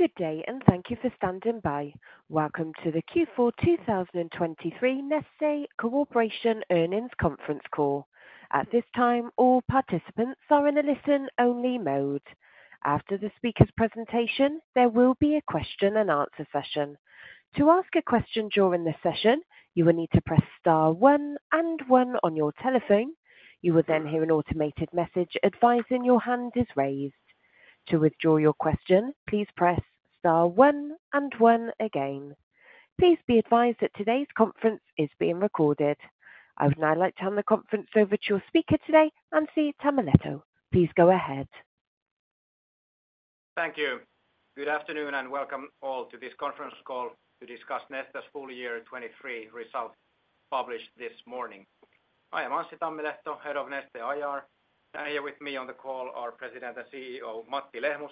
Good day, and thank you for standing by. Welcome to the Q4 2023 Neste Corporation Earnings Conference Call. At this time, all participants are in a listen-only mode. After the speaker's presentation, there will be a question and answer session. To ask a question during the session, you will need to press star one and one on your telephone. You will then hear an automated message advising your hand is raised. To withdraw your question, please press star one and one again. Please be advised that today's conference is being recorded. I would now like to turn the conference over to your speaker today, Anssi Tammilehto. Please go ahead. Thank you. Good afternoon, and welcome all to this conference call to discuss Neste's full year 2023 results published this morning. I am Anssi Tammilehto, Head of Neste IR. And here with me on the call are President and CEO, Matti Lehmus,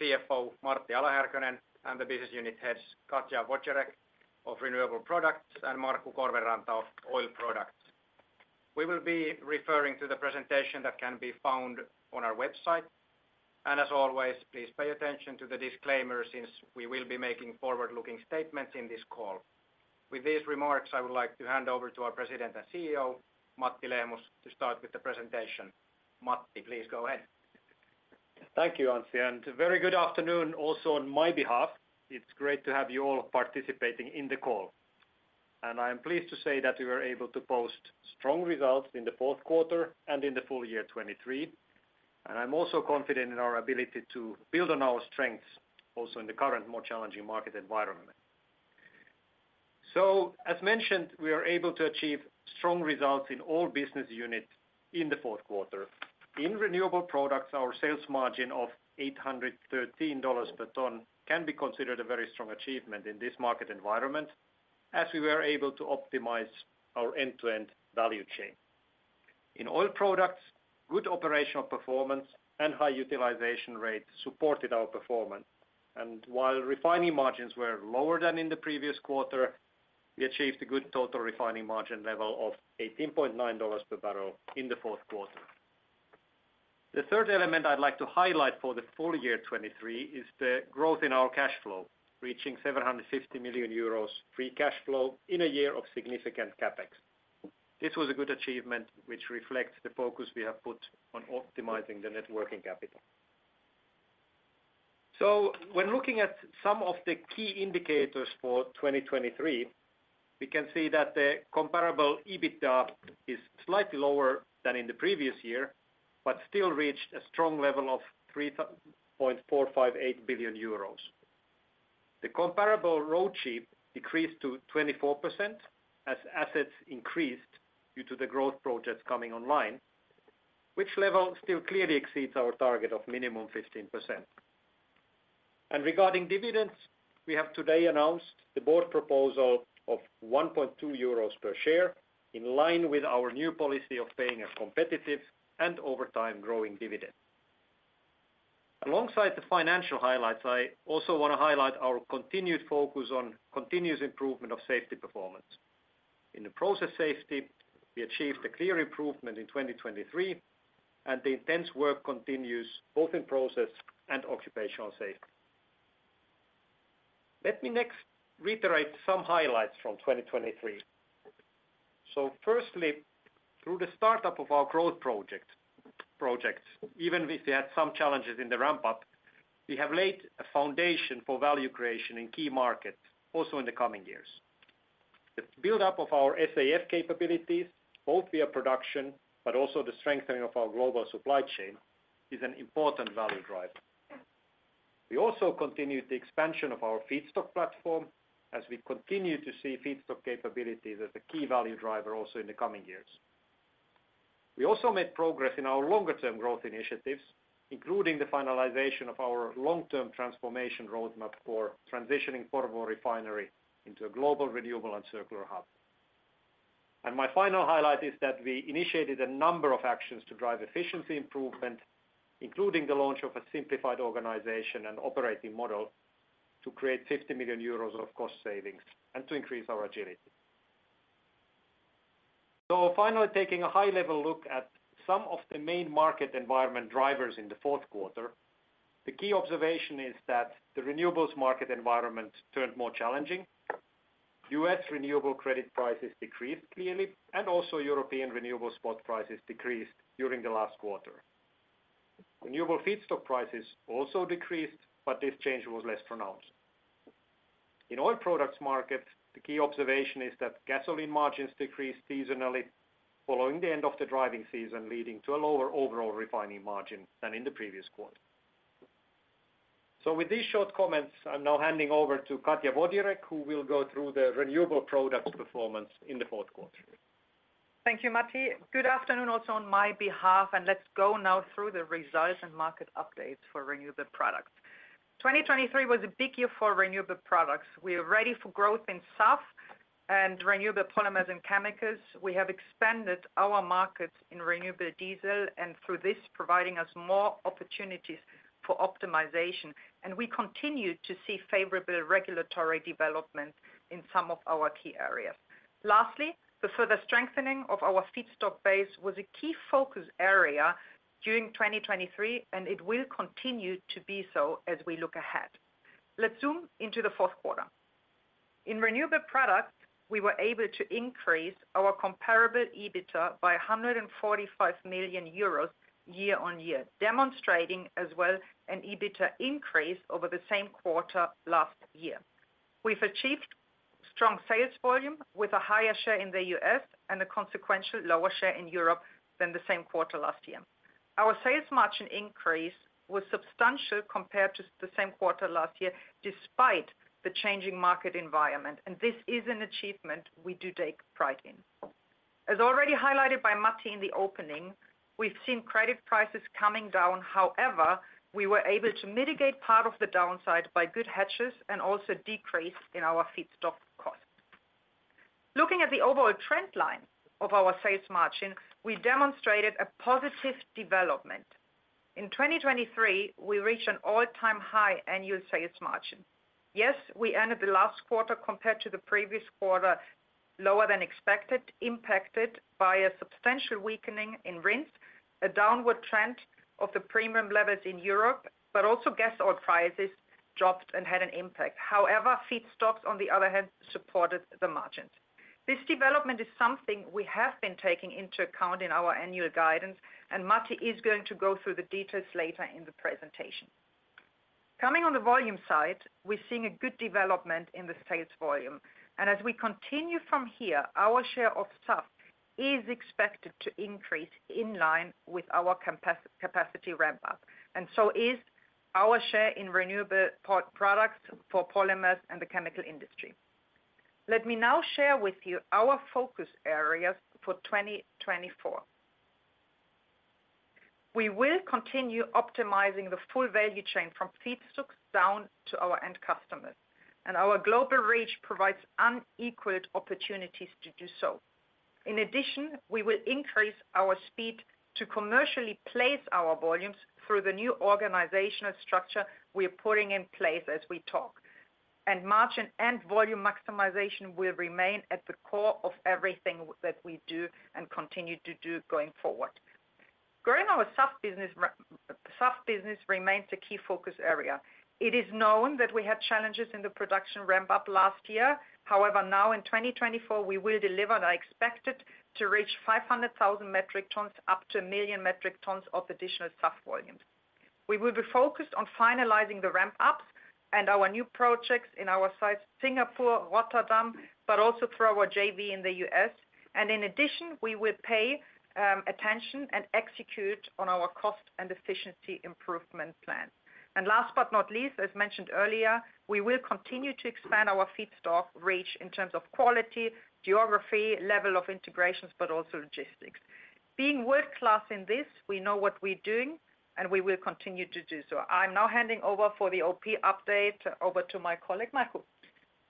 CFO, Martti Ala-Härkönen, and the Business Unit Heads, Katja Wodjereck of Renewable Products, and Markku Korvenranta of Oil Products. We will be referring to the presentation that can be found on our website, and as always, please pay attention to the disclaimer since we will be making forward-looking statements in this call. With these remarks, I would like to hand over to our President and CEO, Matti Lehmus, to start with the presentation. Matti, please go ahead. Thank you, Anssi, and very good afternoon also on my behalf. It's great to have you all participating in the call. I am pleased to say that we were able to post strong results in the fourth quarter and in the full year 2023. I'm also confident in our ability to build on our strengths, also in the current, more challenging market environment. As mentioned, we are able to achieve strong results in all business units in the fourth quarter. In Renewable Products, our sales margin of $813 per ton can be considered a very strong achievement in this market environment, as we were able to optimize our end-to-end value chain. In Oil Products, good operational performance and high utilization rate supported our performance, and while refining margins were lower than in the previous quarter, we achieved a good total refining margin level of $18.9 per barrel in the fourth quarter. The third element I'd like to highlight for the full year 2023 is the growth in our cash flow, reaching 750 million euros free cash flow in a year of significant CapEx. This was a good achievement, which reflects the focus we have put on optimizing the net working capital. So when looking at some of the key indicators for 2023, we can see that the comparable EBITDA is slightly lower than in the previous year, but still reached a strong level of 3.458 billion euros. The comparable ROACE decreased to 24%, as assets increased due to the growth projects coming online, which level still clearly exceeds our target of minimum 15%. Regarding dividends, we have today announced the board proposal of 1.2 euros per share, in line with our new policy of paying a competitive and over time growing dividend. Alongside the financial highlights, I also want to highlight our continued focus on continuous improvement of safety performance. In the process safety, we achieved a clear improvement in 2023, and the intense work continues both in process and occupational safety. Let me next reiterate some highlights from 2023. Firstly, through the startup of our growth project, projects, even if we had some challenges in the ramp-up, we have laid a foundation for value creation in key markets, also in the coming years. The buildup of our SAF capabilities, both via production but also the strengthening of our global supply chain, is an important value driver. We also continued the expansion of our feedstock platform as we continue to see feedstock capabilities as a key value driver also in the coming years. We also made progress in our longer-term growth initiatives, including the finalization of our long-term transformation roadmap for transitioning Porvoo Oil Refinery into a global, renewable and circular hub. My final highlight is that we initiated a number of actions to drive efficiency improvement, including the launch of a simplified organization and operating model to create 50 million euros of cost savings and to increase our agility. Finally, taking a high-level look at some of the main market environment drivers in the fourth quarter, the key observation is that the renewables market environment turned more challenging. U.S. renewable credit prices decreased clearly, and also European renewable spot prices decreased during the last quarter. Renewable feedstock prices also decreased, but this change was less pronounced. In Oil Products market, the key observation is that gasoline margins decreased seasonally, following the end of the driving season, leading to a lower overall refining margin than in the previous quarter. So with these short comments, I'm now handing over to Katja Wodjereck, who will go through the Renewable Products performance in the fourth quarter. Thank you, Matti. Good afternoon, also on my behalf, and let's go now through the results and market updates for renewable products. 2023 was a big year for renewable products. We are ready for growth in SAF and renewable polymers and chemicals. We have expanded our markets in renewable diesel, and through this, providing us more opportunities for optimization, and we continue to see favorable regulatory development in some of our key areas. Lastly, the further strengthening of our feedstock base was a key focus area during 2023, and it will continue to be so as we look ahead. Let's zoom into the fourth quarter.... In renewable products, we were able to increase our comparable EBITDA by 145 million euros year-on-year, demonstrating as well an EBITDA increase over the same quarter last year. We've achieved strong sales volume with a higher share in the US and a consequential lower share in Europe than the same quarter last year. Our sales margin increase was substantial compared to the same quarter last year, despite the changing market environment, and this is an achievement we do take pride in. As already highlighted by Matti in the opening, we've seen credit prices coming down. However, we were able to mitigate part of the downside by good hedges and also decrease in our feedstock cost. Looking at the overall trend line of our sales margin, we demonstrated a positive development. In 2023, we reached an all-time high annual sales margin. Yes, we ended the last quarter compared to the previous quarter lower than expected, impacted by a substantial weakening in RINs, a downward trend of the premium levels in Europe, but also gas oil prices dropped and had an impact. However, feedstocks, on the other hand, supported the margins. This development is something we have been taking into account in our annual guidance, and Matti is going to go through the details later in the presentation. Coming on the volume side, we're seeing a good development in the sales volume, and as we continue from here, our share of SAF is expected to increase in line with our capacity ramp up, and so is our share in renewable products for polymers and the chemical industry. Let me now share with you our focus areas for 2024. We will continue optimizing the full value chain from feedstocks down to our end customers, and our global reach provides unequaled opportunities to do so. In addition, we will increase our speed to commercially place our volumes through the new organizational structure we are putting in place as we talk, and margin and volume maximization will remain at the core of everything that we do and continue to do going forward. Growing our SAF business remains a key focus area. It is known that we had challenges in the production ramp up last year. However, now in 2024, we will deliver, and I expect it to reach 500,000 metric tons, up to 1 million metric tons of additional SAF volumes. We will be focused on finalizing the ramp up and our new projects in our sites, Singapore, Rotterdam, but also through our JV in the US. In addition, we will pay attention and execute on our cost and efficiency improvement plan. Last but not least, as mentioned earlier, we will continue to expand our feedstock reach in terms of quality, geography, level of integrations, but also logistics. Being world-class in this, we know what we're doing, and we will continue to do so. I'm now handing over for the OP update over to my colleague, Markku.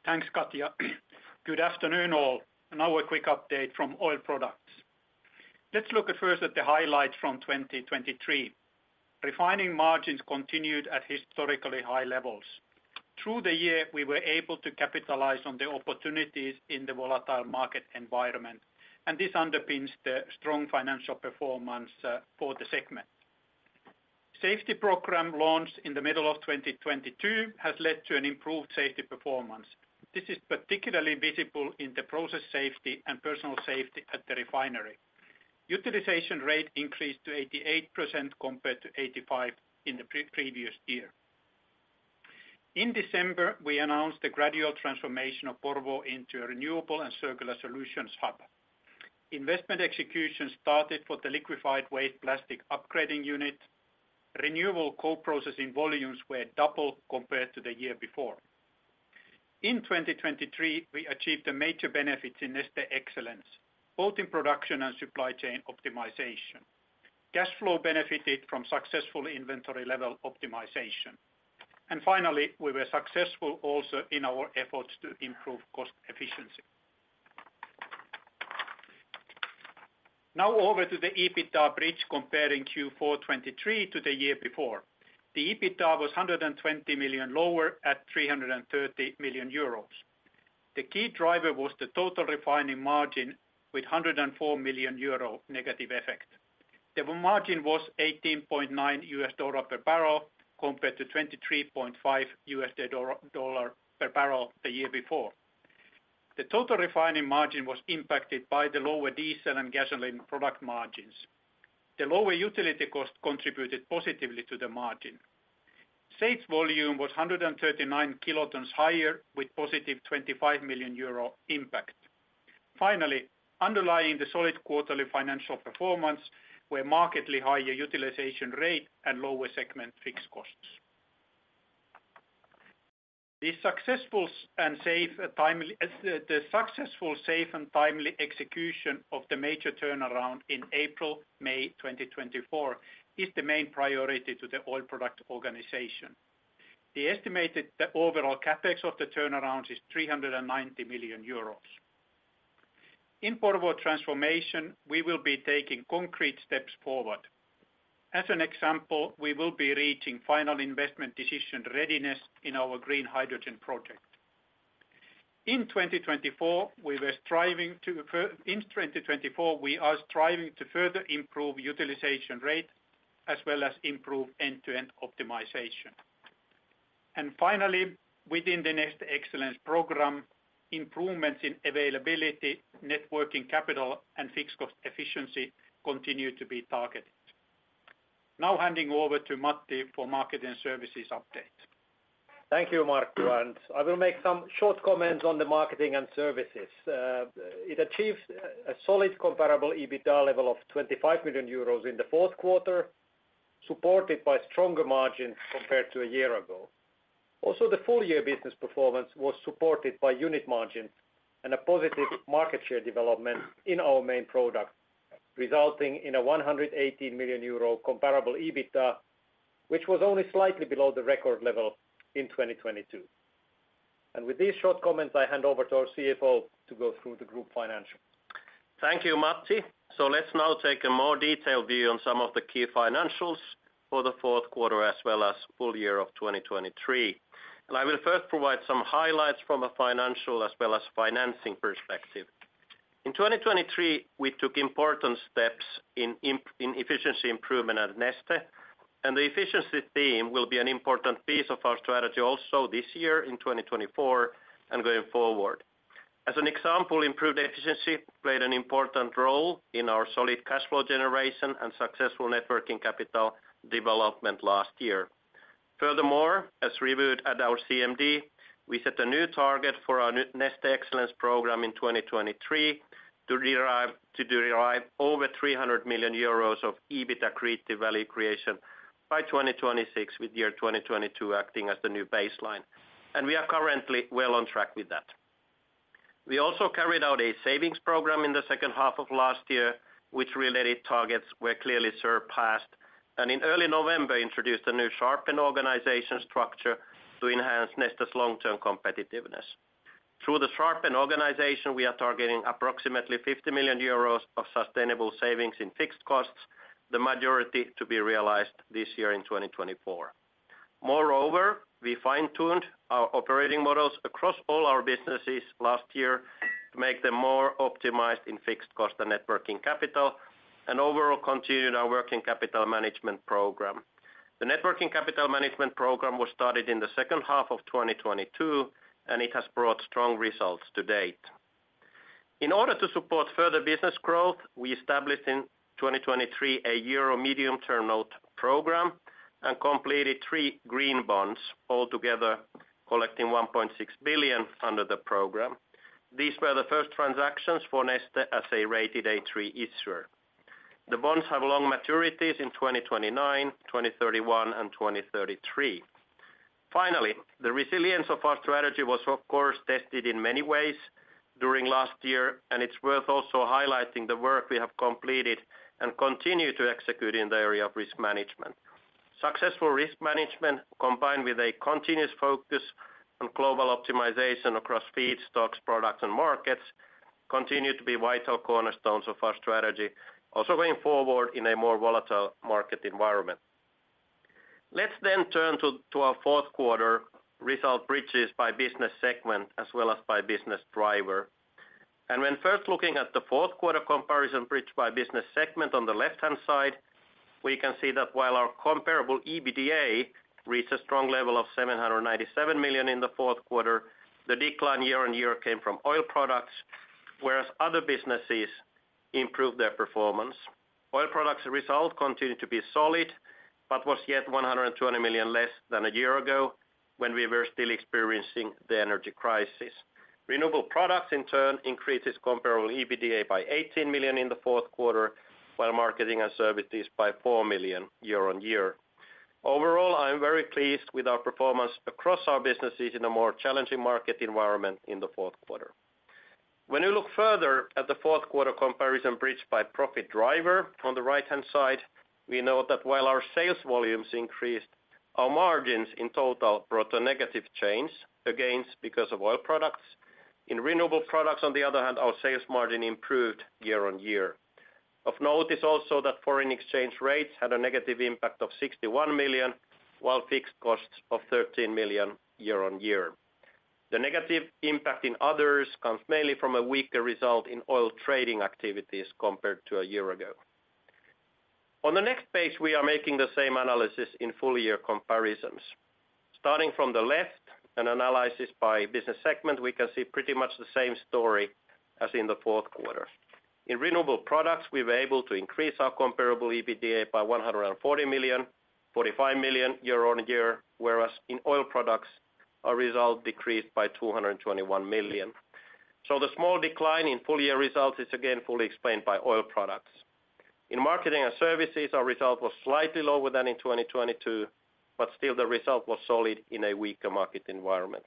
Thanks, Katja. Good afternoon, all, and now a quick update from Oil Products. Let's look first at the highlights from 2023. Refining margins continued at historically high levels. Through the year, we were able to capitalize on the opportunities in the volatile market environment, and this underpins the strong financial performance for the segment. Safety program launched in the middle of 2022 has led to an improved safety performance. This is particularly visible in the process safety and personal safety at the refinery. Utilization rate increased to 88%, compared to 85 in the pre-previous year. In December, we announced the gradual transformation of Porvoo into a renewable and circular solutions hub. Investment execution started for the liquefied waste plastic upgrading unit. Renewable co-processing volumes were double compared to the year before. In 2023, we achieved a major benefit in Neste Excellence, both in production and supply chain optimization. Cash flow benefited from successful inventory level optimization. And finally, we were successful also in our efforts to improve cost efficiency. Now, over to the EBITDA bridge, comparing Q4 2023 to the year before. The EBITDA was 120 million lower at 330 million euros. The key driver was the total refining margin with 104 million euro negative effect. The margin was $18.9 per barrel, compared to $23.5 per barrel the year before. The total refining margin was impacted by the lower diesel and gasoline product margins. The lower utility cost contributed positively to the margin. Sales volume was 139 kilotons higher, with positive 25 million euro impact. Finally, underlying the solid quarterly financial performance were markedly higher utilization rate and lower segment fixed costs. The successful, safe, and timely execution of the major turnaround in April, May 2024, is the main priority to the Oil Products organization. The estimated overall CapEx of the turnaround is 390 million euros. In Porvoo transformation, we will be taking concrete steps forward. As an example, we will be reaching final investment decision readiness in our green hydrogen project. In 2024, we are striving to further improve utilization rate as well as improve end-to-end optimization. And finally, within the Neste Excellence Program, improvements in availability, net working capital, and fixed cost efficiency continue to be targeted. Now handing over to Matti Marketing and Services update. Thank you, Markku, and I will make some short comments on the Marketing and Services. It achieved a solid comparable EBITDA level of 25 million euros in the fourth quarter, supported by stronger margins compared to a year ago. Also, the full-year business performance was supported by unit margins and a positive market share development in our main product, resulting in a 118 million euro comparable EBITDA, which was only slightly below the record level in 2022. With these short comments, I hand over to our CFO to go through the group financials. Thank you, Matti. Let's now take a more detailed view on some of the key financials for the fourth quarter as well as full year of 2023. I will first provide some highlights from a financial as well as financing perspective. In 2023, we took important steps in in efficiency improvement at Neste, and the efficiency theme will be an important piece of our strategy also this year in 2024 and going forward. As an example, improved efficiency played an important role in our solid cash flow generation and successful net working capital development last year. Furthermore, as reviewed at our CMD, we set a new target for our Neste Excellence Program in 2023 to derive over 300 million euros of EBITDA creative value creation by 2026, with year 2022 acting as the new baseline. We are currently well on track with that. We also carried out a savings program in the second half of last year, which related targets were clearly surpassed, and in early November, introduced a new sharpened organization structure to enhance Neste's long-term competitiveness. Through the sharpened organization, we are targeting approximately 50 million euros of sustainable savings in fixed costs, the majority to be realized this year in 2024. Moreover, we fine-tuned our operating models across all our businesses last year to make them more optimized in fixed cost and net working capital, and overall continued our working capital management program. The net working capital management program was started in the second half of 2022, and it has brought strong results to date. In order to support further business growth, we established in 2023 a Euro Medium-Term Note program and completed three green bonds, altogether collecting 1.6 billion under the program. These were the first transactions for Neste as a rated A3 issuer. The bonds have long maturities in 2029, 2031, and 2033. Finally, the resilience of our strategy was, of course, tested in many ways during last year, and it's worth also highlighting the work we have completed and continue to execute in the area of risk management. Successful risk management, combined with a continuous focus on global optimization across feed, stocks, products, and markets, continue to be vital cornerstones of our strategy, also going forward in a more volatile market environment. Let's then turn to our fourth quarter result bridges by business segment as well as by business driver. When first looking at the fourth quarter comparison bridge by business segment on the left-hand side, we can see that while our comparable EBITDA reached a strong level of 797 million in the fourth quarter, the decline year-on-year came from oil products, whereas other businesses improved their performance. Oil Products results continued to be solid, but was yet 120 million less than a year ago when we were still experiencing the energy crisis. Renewable Products, in turn, increased comparable EBITDA by 18 million in the fourth quarter, while Marketing and Services by 4 million year on year. Overall, I am very pleased with our performance across our businesses in a more challenging market environment in the fourth quarter. When you look further at the fourth quarter comparison bridged by profit driver, on the right-hand side, we know that while our sales volumes increased, our margins in total brought a negative change, again, because of oil products. In renewable products, on the other hand, our sales margin improved year on year. Of note is also that foreign exchange rates had a negative impact of 61 million, while fixed costs of 13 million year on year. The negative impact in others comes mainly from a weaker result in oil trading activities compared to a year ago. On the next page, we are making the same analysis in full year comparisons. Starting from the left, an analysis by business segment, we can see pretty much the same story as in the fourth quarter. In renewable products, we were able to increase our comparable EBITDA by 140 million, 45 million year-on-year, whereas in oil products, our result decreased by 221 million. So the small decline in full year results is again, fully explained by oil products. In Marketing and Services, our result was slightly lower than in 2022, but still the result was solid in a weaker market environment.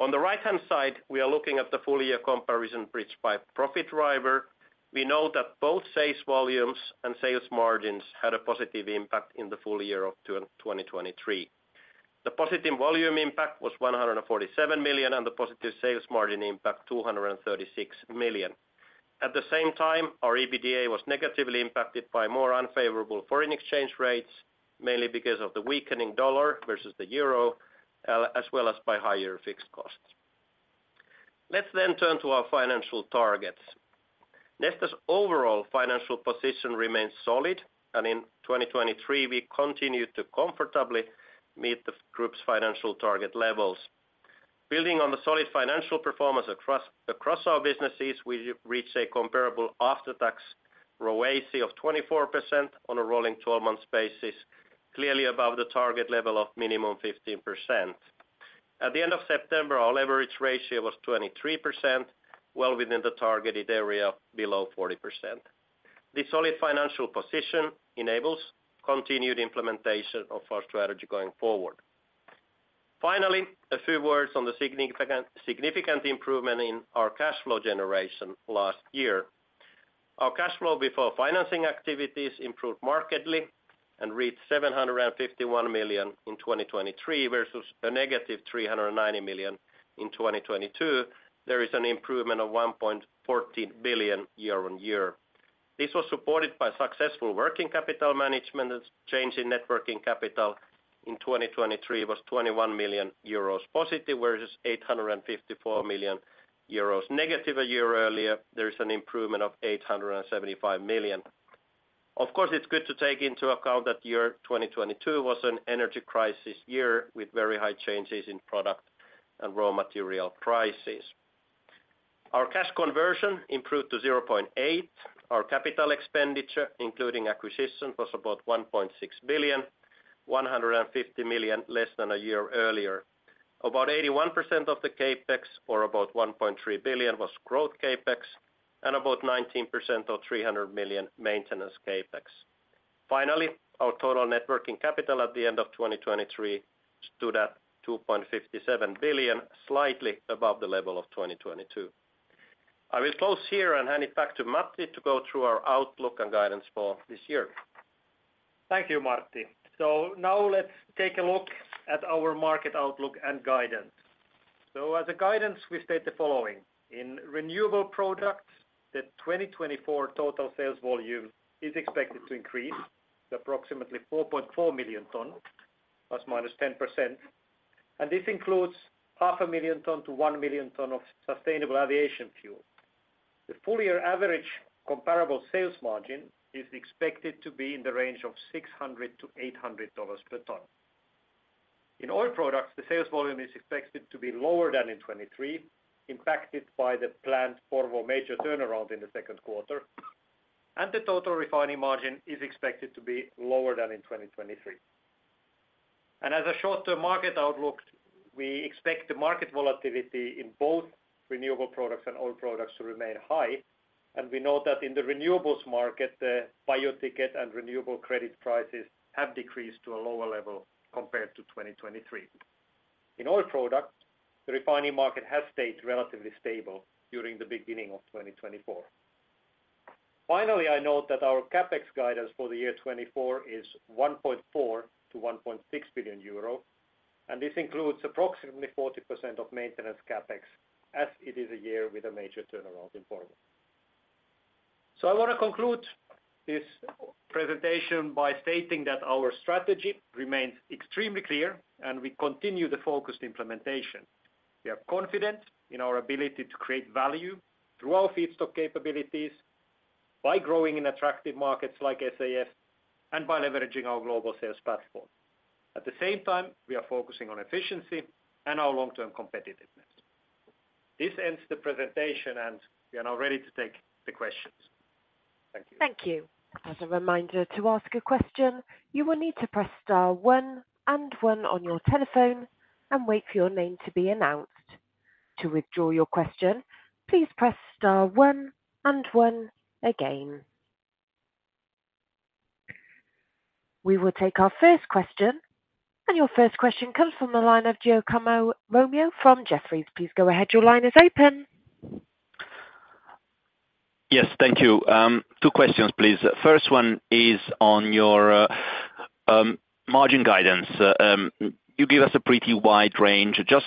On the right-hand side, we are looking at the full year comparison bridged by profit driver. We know that both sales volumes and sales margins had a positive impact in the full year of 2023. The positive volume impact was 147 million, and the positive sales margin impact, 236 million. At the same time, our EBITDA was negatively impacted by more unfavorable foreign exchange rates, mainly because of the weakening dollar versus the euro, as well as by higher fixed costs. Let's then turn to our financial targets. Neste's overall financial position remains solid, and in 2023, we continued to comfortably meet the group's financial target levels. Building on the solid financial performance across our businesses, we reached a comparable after-tax ROACE of 24% on a rolling 12 months basis, clearly above the target level of minimum 15%. At the end of September, our leverage ratio was 23%, well within the targeted area, below 40%. The solid financial position enables continued implementation of our strategy going forward. Finally, a few words on the significant, significant improvement in our cash flow generation last year. Our cash flow before financing activities improved markedly and reached 751 million in 2023 versus a negative 390 million in 2022. There is an improvement of 1.14 billion year-on-year. This was supported by successful working capital management, as change in net working capital in 2023 was 21 million euros positive, versus 854 million euros negative a year earlier. There is an improvement of 875 million. Of course, it's good to take into account that year 2022 was an energy crisis year with very high changes in product and raw material prices. Our cash conversion improved to 0.8. Our capital expenditure, including acquisition, was about 1.6 billion, 150 million less than a year earlier. About 81% of the CapEx, or about 1.3 billion, was growth CapEx, and about 19%, or 300 million, maintenance CapEx. Finally, our total net working capital at the end of 2023 stood at 2.57 billion, slightly above the level of 2022. I will close here and hand it back to Matti to go through our outlook and guidance for this year. Thank you, Martti. So now let's take a look at our market outlook and guidance. So as a guidance, we state the following: in renewable products, the 2024 total sales volume is expected to increase to approximately 4.4 million tons, that's -10%, and this includes 500,000-1 million tons of sustainable aviation fuel. The full year average comparable sales margin is expected to be in the range of $600-$800 per ton. In oil products, the sales volume is expected to be lower than in 2023, impacted by the planned Porvoo major turnaround in the second quarter, and the total refining margin is expected to be lower than in 2023. As a short-term market outlook, we expect the market volatility in both renewable products and oil products to remain high. We know that in the renewables market, the bio ticket and renewable credit prices have decreased to a lower level compared to 2023. In oil products, the refining market has stayed relatively stable during the beginning of 2024. Finally, I note that our CapEx guidance for the year 2024 is 1.4 billion-1.6 billion euro, and this includes approximately 40% of maintenance CapEx, as it is a year with a major turnaround in Porvoo. I want to conclude this presentation by stating that our strategy remains extremely clear, and we continue the focused implementation. We are confident in our ability to create value through our feedstock capabilities by growing in attractive markets like SAF and by leveraging our global sales platform. At the same time, we are focusing on efficiency and our long-term competitiveness. This ends the presentation, and we are now ready to take the questions. Thank you. Thank you. As a reminder, to ask a question, you will need to press star one and one on your telephone and wait for your name to be announced. To withdraw your question, please press star one and one again. We will take our first question, and your first question comes from the line of Giacomo Romeo from Jefferies. Please go ahead. Your line is open. Yes, thank you. Two questions, please. First one is on your margin guidance. You give us a pretty wide range. Just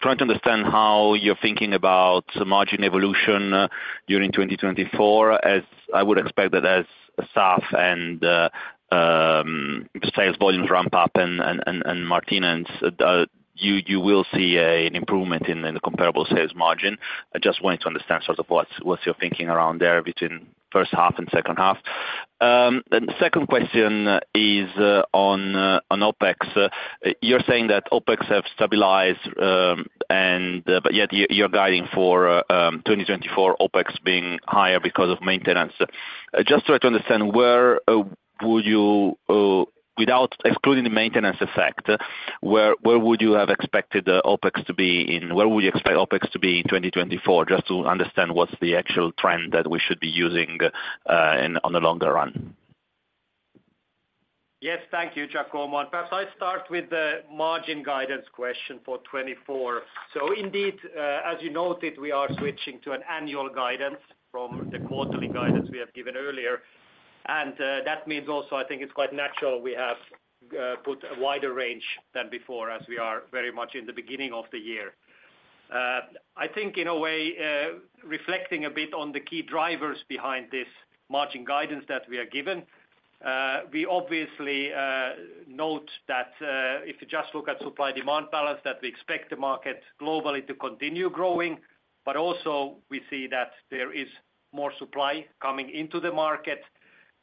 trying to understand how you're thinking about the margin evolution during 2024, as I would expect that as SAF and sales volumes ramp up and Martti and you will see an improvement in the comparable sales margin. I just wanted to understand sort of what's your thinking around there between first half and second half. Then the second question is on OpEx. You're saying that OpEx have stabilized and but yet you're guiding for 2024 OpEx being higher because of maintenance. Just try to understand where would you, without excluding the maintenance effect, where would you have expected the OpEx to be in—where would you expect OpEx to be in 2024? Just to understand what's the actual trend that we should be using in the longer run. Yes, thank you, Giacomo. Perhaps I start with the margin guidance question for 2024. So indeed, as you noted, we are switching to an annual guidance from the quarterly guidance we have given earlier. And, that means also, I think it's quite natural we have, put a wider range than before, as we are very much in the beginning of the year. I think in a way, reflecting a bit on the key drivers behind this margin guidance that we are given, we obviously, note that, if you just look at supply demand balance, that we expect the market globally to continue growing. But also we see that there is more supply coming into the market.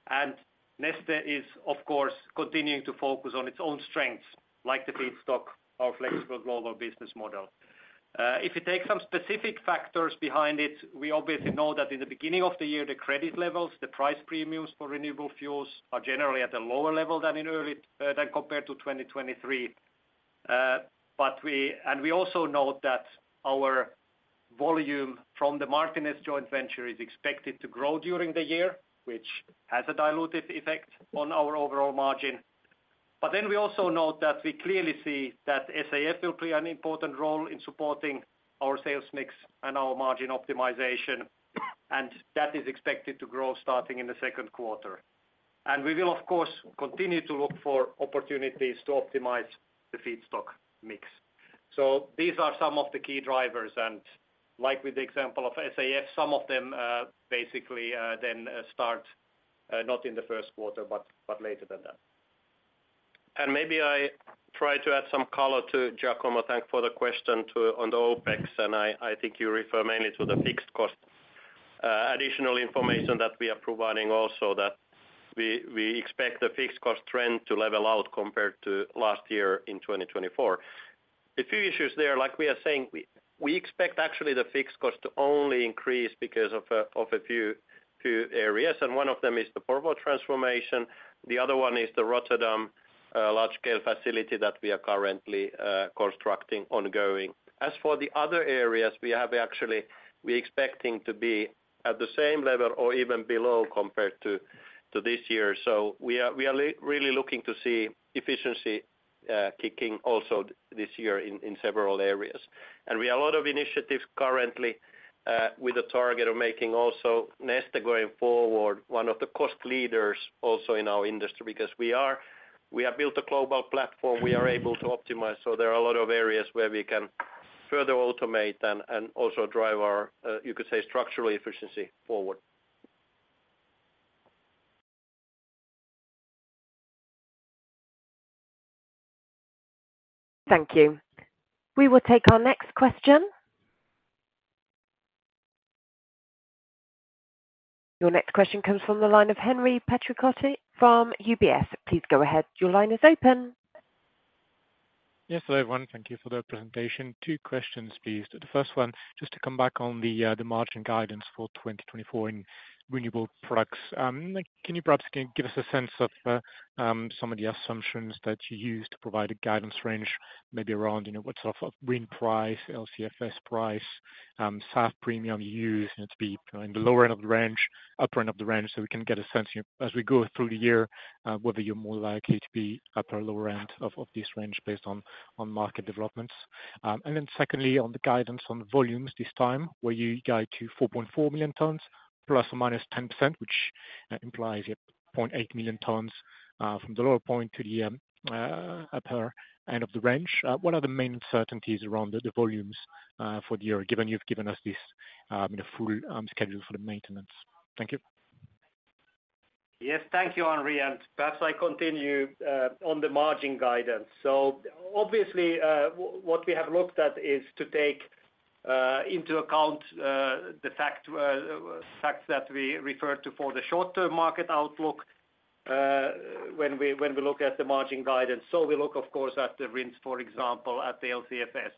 And Neste is, of course, continuing to focus on its own strengths, like the feedstock, our flexible global business model. If you take some specific factors behind it, we obviously know that in the beginning of the year, the credit levels, the price premiums for renewable fuels are generally at a lower level than in early, than compared to 2023. But we and we also note that our volume from the Martinez joint venture is expected to grow during the year, which has a dilutive effect on our overall margin. But then we also note that we clearly see that SAF will play an important role in supporting our sales mix and our margin optimization, and that is expected to grow starting in the second quarter. We will, of course, continue to look for opportunities to optimize the feedstock mix. So these are some of the key drivers, and like with the example of SAF, some of them basically then start not in the first quarter, but later than that. And maybe I try to add some color to Giacomo. Thanks for the question on the OpEx, and I think you refer mainly to the fixed cost. Additional information that we are providing also that we expect the fixed cost trend to level out compared to last year in 2024. A few issues there, like we are saying, we expect actually the fixed cost to only increase because of a few areas, and one of them is the Porvoo transformation, the other one is the Rotterdam large scale facility that we are currently constructing ongoing. As for the other areas, we have actually expecting to be at the same level or even below compared to this year. So we are really looking to see efficiency kicking also this year in several areas. And we have a lot of initiatives currently with the target of making also Neste going forward one of the cost leaders also in our industry, because we have built a global platform we are able to optimize. So there are a lot of areas where we can further automate and also drive our you could say structural efficiency forward. Thank you. We will take our next question. Your next question comes from the line of Henri Patricot from UBS. Please go ahead. Your line is open. Yes, hello, everyone. Thank you for the presentation. Two questions, please. The first one, just to come back on the, the margin guidance for 2024 in renewable products. Can you perhaps give us a sense of some of the assumptions that you used to provide a guidance range, maybe around, you know, what sort of RIN price, LCFS price, SAF premium you use it to be in the lower end of the range, upper end of the range, so we can get a sense, you know, as we go through the year, whether you're more likely to be upper or lower end of, of this range based on, on market developments? And then secondly, on the guidance on volumes this time, where you guide to 4.4 million tons ±10%, which implies a 0.8 million tons from the lower point to the upper end of the range. What are the main uncertainties around the volumes for the year, given you've given us this, the full schedule for the maintenance? Thank you. Yes, thank you, Henry. Perhaps I continue on the margin guidance. Obviously, what we have looked at is to take into account the fact that we referred to for the short-term market outlook, when we look at the margin guidance. We look, of course, at the RINs, for example, at the LCFS.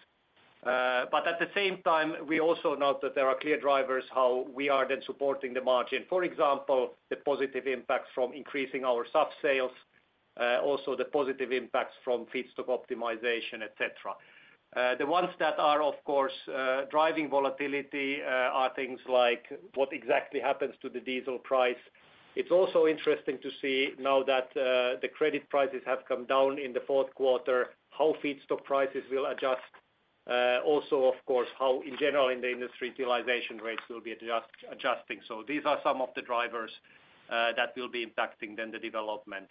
But at the same time, we also note that there are clear drivers, how we are then supporting the margin. For example, the positive impacts from increasing our soft sales, also the positive impacts from feedstock optimization, et cetera. The ones that are, of course, driving volatility are things like what exactly happens to the diesel price. It's also interesting to see now that the credit prices have come down in the fourth quarter, how feedstock prices will adjust. Also, of course, how, in general in the industry, utilization rates will be adjusting. So these are some of the drivers that will be impacting then the development.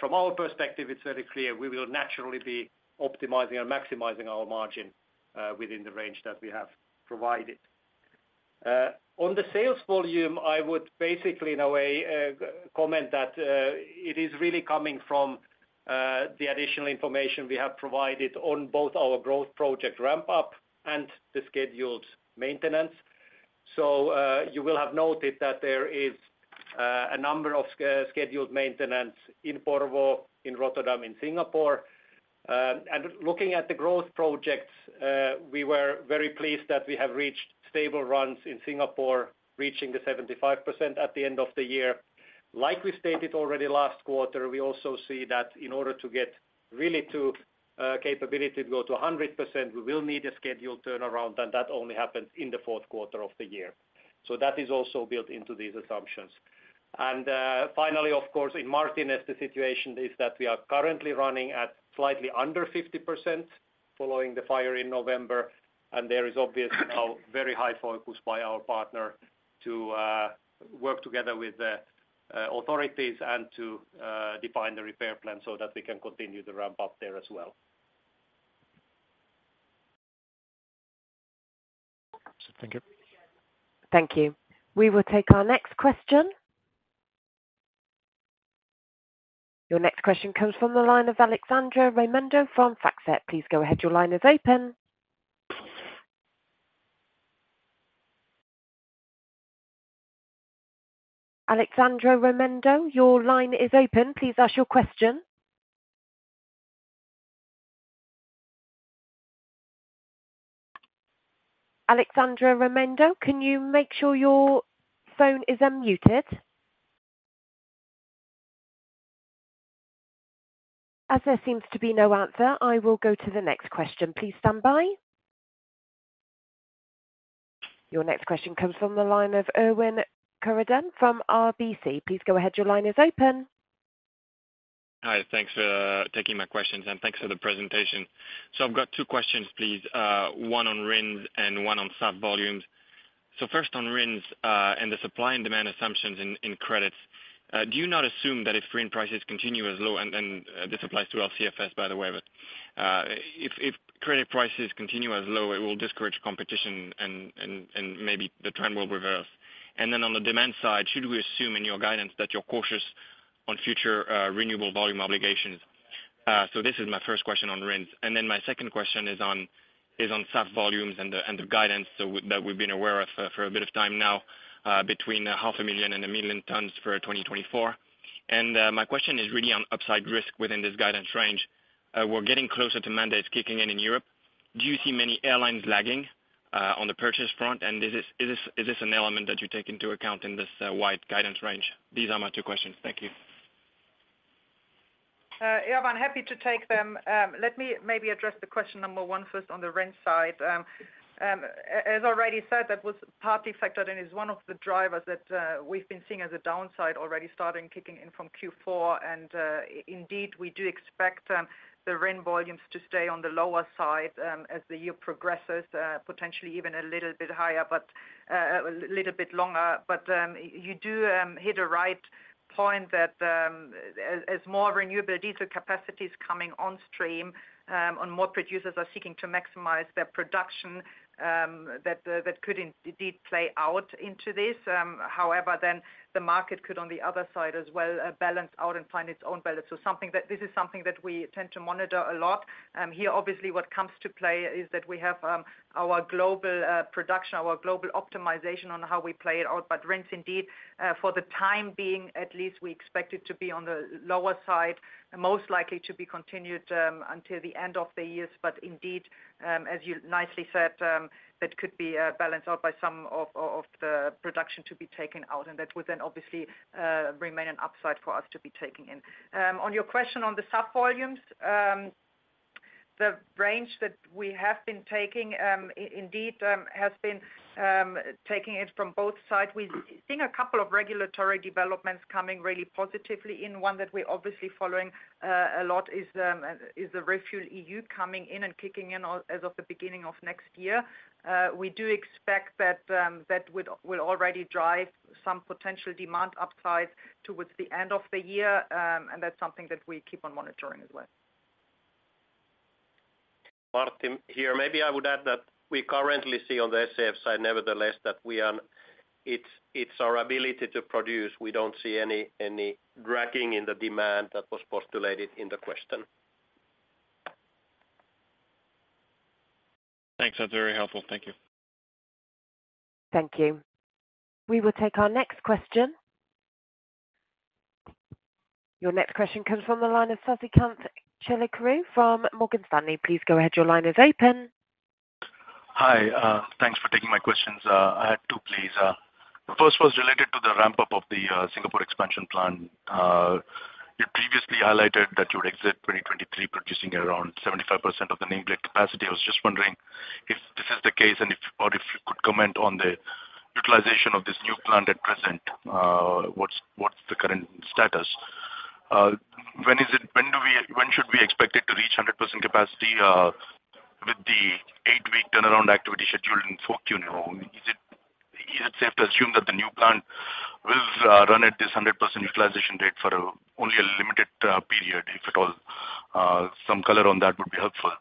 From our perspective, it's very clear we will naturally be optimizing or maximizing our margin within the range that we have provided. On the sales volume, I would basically, in a way, comment that it is really coming from the additional information we have provided on both our growth project ramp-up and the scheduled maintenance. So you will have noted that there is a number of scheduled maintenance in Porvoo, in Rotterdam, in Singapore. And looking at the growth projects, we were very pleased that we have reached stable runs in Singapore, reaching the 75% at the end of the year. Like we stated already last quarter, we also see that in order to get really to capability to go to 100%, we will need a scheduled turnaround, and that only happens in the fourth quarter of the year. So that is also built into these assumptions. And finally, of course, in Martinez, the situation is that we are currently running at slightly under 50%, following the fire in November. And there is obviously now very high focus by our partner to work together with the authorities and to define the repair plan so that we can continue the ramp-up there as well.... Thank you. We will take our next question. Your next question comes from the line of Alessandro Raimondi from FactSet. Please go ahead. Your line is open. Alessandro Raimondi, your line is open. Please ask your question. Alessandro Raimondi, can you make sure your phone is unmuted? As there seems to be no answer, I will go to the next question. Please stand by. Your next question comes from the line of Erwan Kerouredan from RBC. Please go ahead. Your line is open. Hi, thanks for taking my questions, and thanks for the presentation. So I've got two questions, please, one on RINs and one on SAF volumes. So first on RINs, and the supply and demand assumptions in credits. Do you not assume that if RIN prices continue as low, and then, this applies to LCFS, by the way, but, if credit prices continue as low, it will discourage competition and, and, and maybe the trend will reverse. And then on the demand side, should we assume in your guidance that you're cautious on future, renewable volume obligations? So this is my first question on RINs. And then my second question is on SAF volumes and the guidance so that we've been aware of for a bit of time now, between 500,000 and 1,000,000 tons for 2024. My question is really on upside risk within this guidance range. We're getting closer to mandates kicking in in Europe. Do you see many airlines lagging on the purchase front? And is this an element that you take into account in this wide guidance range? These are my two questions. Thank you. Erwan, happy to take them. Let me maybe address the question number one first on the RIN side. As already said, that was partly factored in, is one of the drivers that we've been seeing as a downside already starting kicking in from Q4, and indeed, we do expect the RIN volumes to stay on the lower side as the year progresses, potentially even a little bit higher, but a little bit longer. But you do hit a right point that as more renewable diesel capacity is coming on stream and more producers are seeking to maximize their production, that could indeed play out into this. However, then the market could, on the other side as well, balance out and find its own balance. So this is something that we tend to monitor a lot. Here, obviously, what comes to play is that we have our global production, our global optimization on how we play it out. But RINs indeed, for the time being, at least, we expect it to be on the lower side, and most likely to be continued until the end of the year. But indeed, as you nicely said, that could be balanced out by some of the production to be taken out, and that would then obviously remain an upside for us to be taking in. On your question on the SAF volumes, the range that we have been taking, indeed, has been taking it from both sides. We've seen a couple of regulatory developments coming really positively in. One that we're obviously following a lot is the ReFuelEU coming in and kicking in as of the beginning of next year. We do expect that will already drive some potential demand upside towards the end of the year. And that's something that we keep on monitoring as well. Martti here. Maybe I would add that we currently see on the SAF side, nevertheless, that we are... It's our ability to produce. We don't see any dragging in the demand that was postulated in the question. Thanks. That's very helpful. Thank you. Thank you. We will take our next question. Your next question comes from the line of Sasikanth Chilukuru from Morgan Stanley. Please go ahead. Your line is open. Hi, thanks for taking my questions. I had two, please. The first was related to the ramp-up of the Singapore expansion plan. You previously highlighted that you would exit 2023, producing around 75% of the nameplate capacity. I was just wondering if this is the case and if, or if you could comment on the utilization of this new plant at present. What's the current status? When should we expect it to reach 100% capacity, with the eight-week turnaround activity scheduled in Q4 now? Is it safe to assume that the new plant will run at this 100% utilization rate for only a limited period, if at all? Some color on that would be helpful.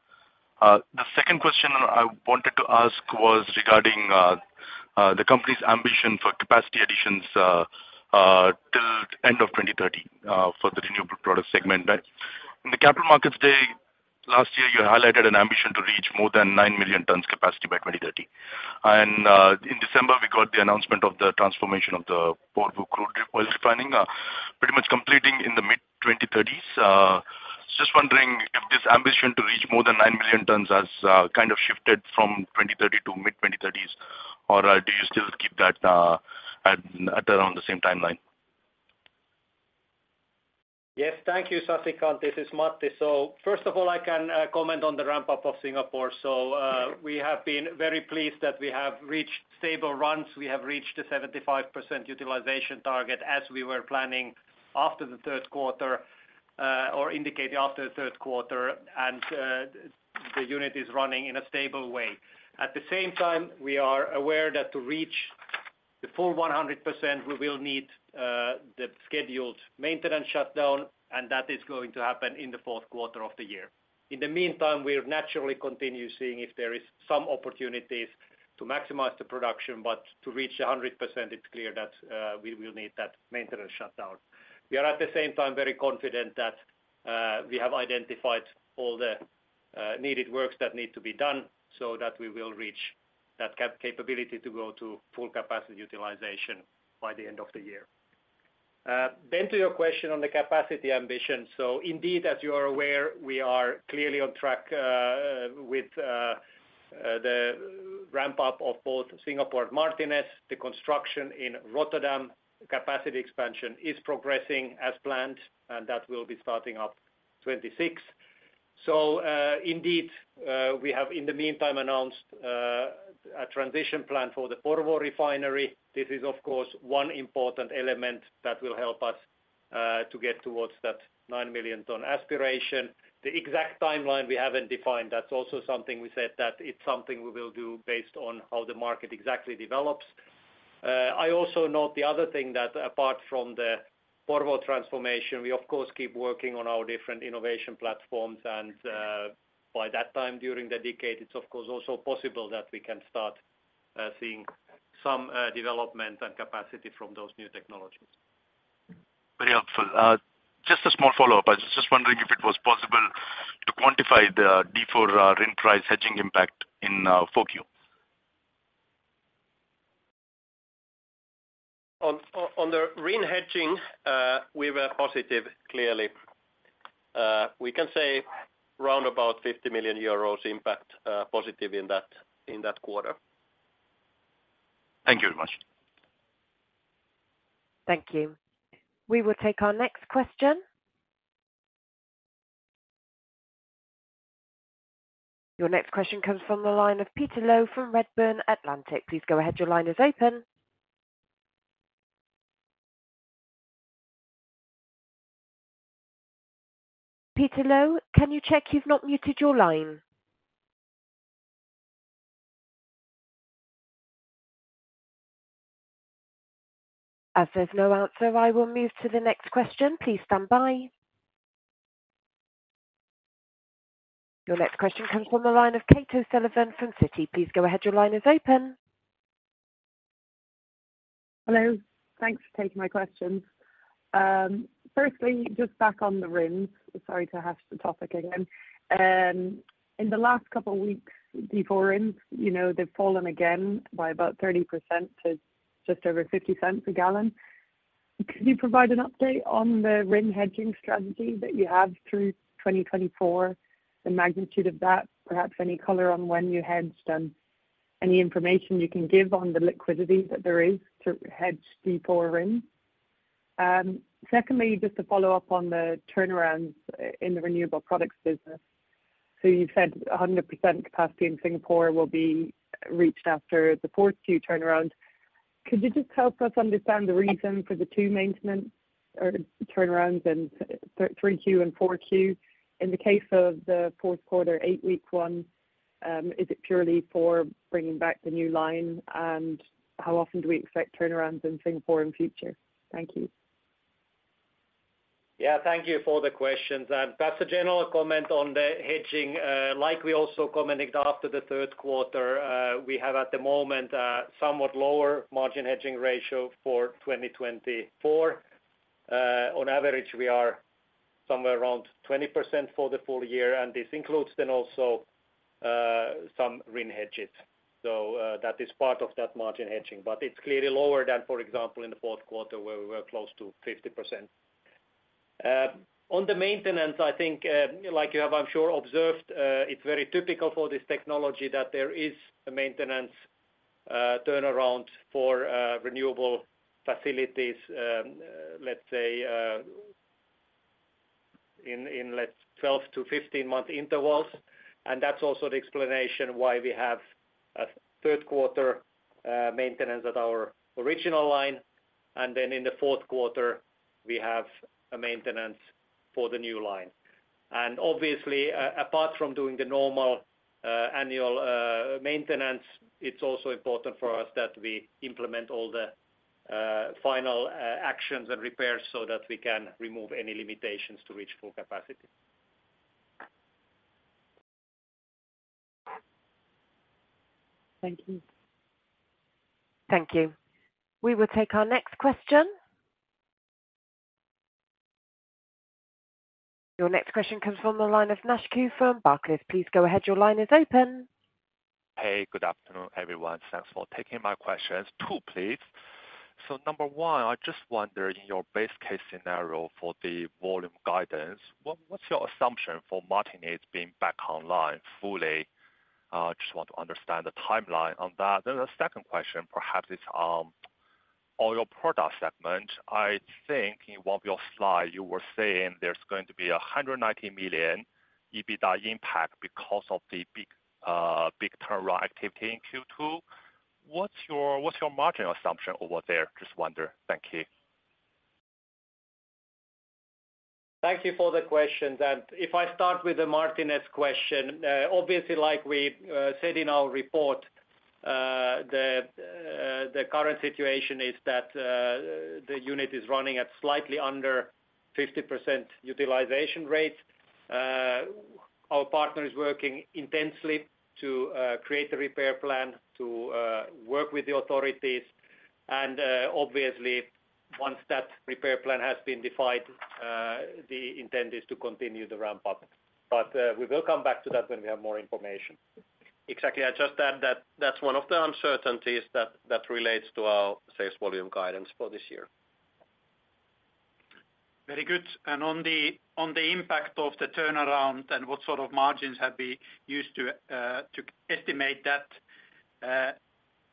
The second question I wanted to ask was regarding the company's ambition for capacity additions till end of 2030 for the renewable product segment. But in the Capital Markets Day last year, you highlighted an ambition to reach more than 9 million tons capacity by 2030. And in December, we got the announcement of the transformation of the Porvoo crude oil refinery pretty much completing in the mid-2030s. Just wondering if this ambition to reach more than 9 million tons has kind of shifted from 2030 to mid-2030s, or do you still keep that at around the same timeline? Yes. Thank you, Sasikanth. This is Matti. So first of all, I can comment on the ramp-up of Singapore. So, we have been very pleased that we have reached stable runs. We have reached the 75% utilization target as we were planning after the third quarter, or indicating after the third quarter, and the unit is running in a stable way. At the same time, we are aware that to reach- ... The full 100%, we will need the scheduled maintenance shutdown, and that is going to happen in the fourth quarter of the year. In the meantime, we'll naturally continue seeing if there is some opportunities to maximize the production, but to reach a 100%, it's clear that we will need that maintenance shutdown. We are, at the same time, very confident that we have identified all the needed works that need to be done so that we will reach that capability to go to full capacity utilization by the end of the year. Ben, to your question on the capacity ambition, so indeed, as you are aware, we are clearly on track with the ramp-up of both Singapore and Martinez. The construction in Rotterdam, capacity expansion is progressing as planned, and that will be starting up 2026. Indeed, we have, in the meantime, announced a transition plan for the Porvoo Refinery. This is, of course, one important element that will help us to get towards that 9 million ton aspiration. The exact timeline we haven't defined. That's also something we said, that it's something we will do based on how the market exactly develops. I also note the other thing that apart from the Porvoo transformation, we of course keep working on our different innovation platforms. By that time, during the decade, it's of course also possible that we can start seeing some development and capacity from those new technologies. Very helpful. Just a small follow-up. I was just wondering if it was possible to quantify the D4 RIN price hedging impact in, 4Q? On the RIN hedging, we were positive, clearly. We can say round about 50 million euros impact, positive in that quarter. Thank you very much. Thank you. We will take our next question. Your next question comes from the line of Peter Low from Redburn Atlantic. Please go ahead. Your line is open. Peter Low, can you check you've not muted your line? As there's no answer, I will move to the next question. Please stand by. Your next question comes from the line of Kate O'Sullivan from Citi. Please go ahead. Your line is open. Hello. Thanks for taking my questions. Firstly, just back on the RIN. Sorry to hash the topic again. In the last couple of weeks, D4 RIN, you know, they've fallen again by about 30% to just over $0.50 a gallon. Could you provide an update on the RIN hedging strategy that you have through 2024, the magnitude of that? Perhaps any color on when you hedged them. Any information you can give on the liquidity that there is to hedge D4 RIN? Secondly, just to follow up on the turnarounds in the renewable products business. So you've said 100% capacity in Singapore will be reached after the two turnarounds. Could you just help us understand the reason for the two maintenance or turnarounds in 3Q and 4Q? In the case of the fourth quarter, 8-week one, is it purely for bringing back the new line, and how often do we expect turnarounds in Singapore in future? Thank you. Yeah, thank you for the questions. Perhaps a general comment on the hedging. Like we also commented after the third quarter, we have, at the moment, a somewhat lower margin hedging ratio for 2024. On average, we are somewhere around 20% for the full year, and this includes then also some RIN hedges. That is part of that margin hedging, but it's clearly lower than, for example, in the fourth quarter, where we were close to 50%. On the maintenance, I think, like you have, I'm sure observed, it's very typical for this technology that there is a maintenance turnaround for renewable facilities, let's say, in 12- to 15-month intervals. That's also the explanation why we have a third quarter maintenance at our original line, and then in the fourth quarter, we have a maintenance for the new line. Obviously, apart from doing the normal annual maintenance, it's also important for us that we implement all the final actions and repairs so that we can remove any limitations to reach full capacity. Thank you. Thank you. We will take our next question. Your next question comes from the line of Nash Qu from Barclays. Please go ahead. Your line is open. Hey, good afternoon, everyone. Thanks for taking my questions. Two, please. So number one, I just wonder, in your base case scenario for the volume guidance, what, what's your assumption for Martinez being back online fully? Just want to understand the timeline on that. Then the second question, perhaps is, on your product segment. I think in one of your slide, you were saying there's going to be 190 million EBITDA impact because of the big, big turnaround activity in Q2. What's your, what's your margin assumption over there? Just wonder. Thank you. ...Thank you for the question, and if I start with the Martinez question, obviously, like we said in our report, the current situation is that the unit is running at slightly under 50% utilization rate. Our partner is working intensely to create a repair plan to work with the authorities, and obviously, once that repair plan has been defined, the intent is to continue the ramp-up. But we will come back to that when we have more information. Exactly. I just add that that's one of the uncertainties that relates to our sales volume guidance for this year. Very good. And on the impact of the turnaround and what sort of margins have we used to estimate that,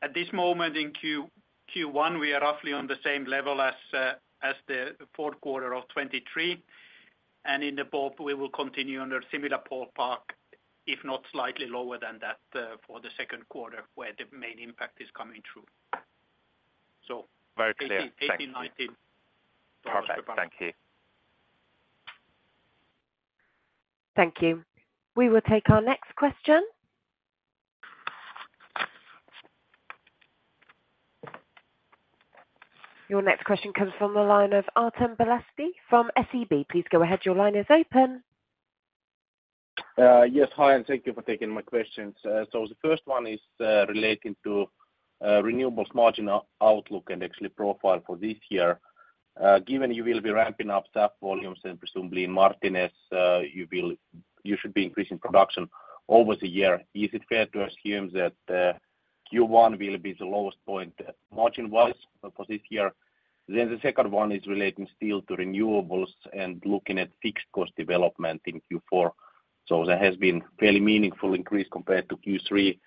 at this moment in Q1, we are roughly on the same level as the fourth quarter of 2023, and in full we will continue under similar full pace, if not slightly lower than that, for the second quarter, where the main impact is coming through. So- Very clear. Thank you. Eighteen, '19. Perfect. Thank you. Thank you. We will take our next question. Your next question comes from the line of Artem Beletski from SEB. Please go ahead. Your line is open. Yes, hi, and thank you for taking my questions. So the first one is relating to renewables margin outlook and actually profile for this year. Given you will be ramping up SAF volumes and presumably Martinez, you should be increasing production over the year, is it fair to assume that Q1 will be the lowest point margin-wise for this year? Then the second one is relating still to renewables and looking at fixed cost development in Q4. So there has been fairly meaningful increase compared to Q3.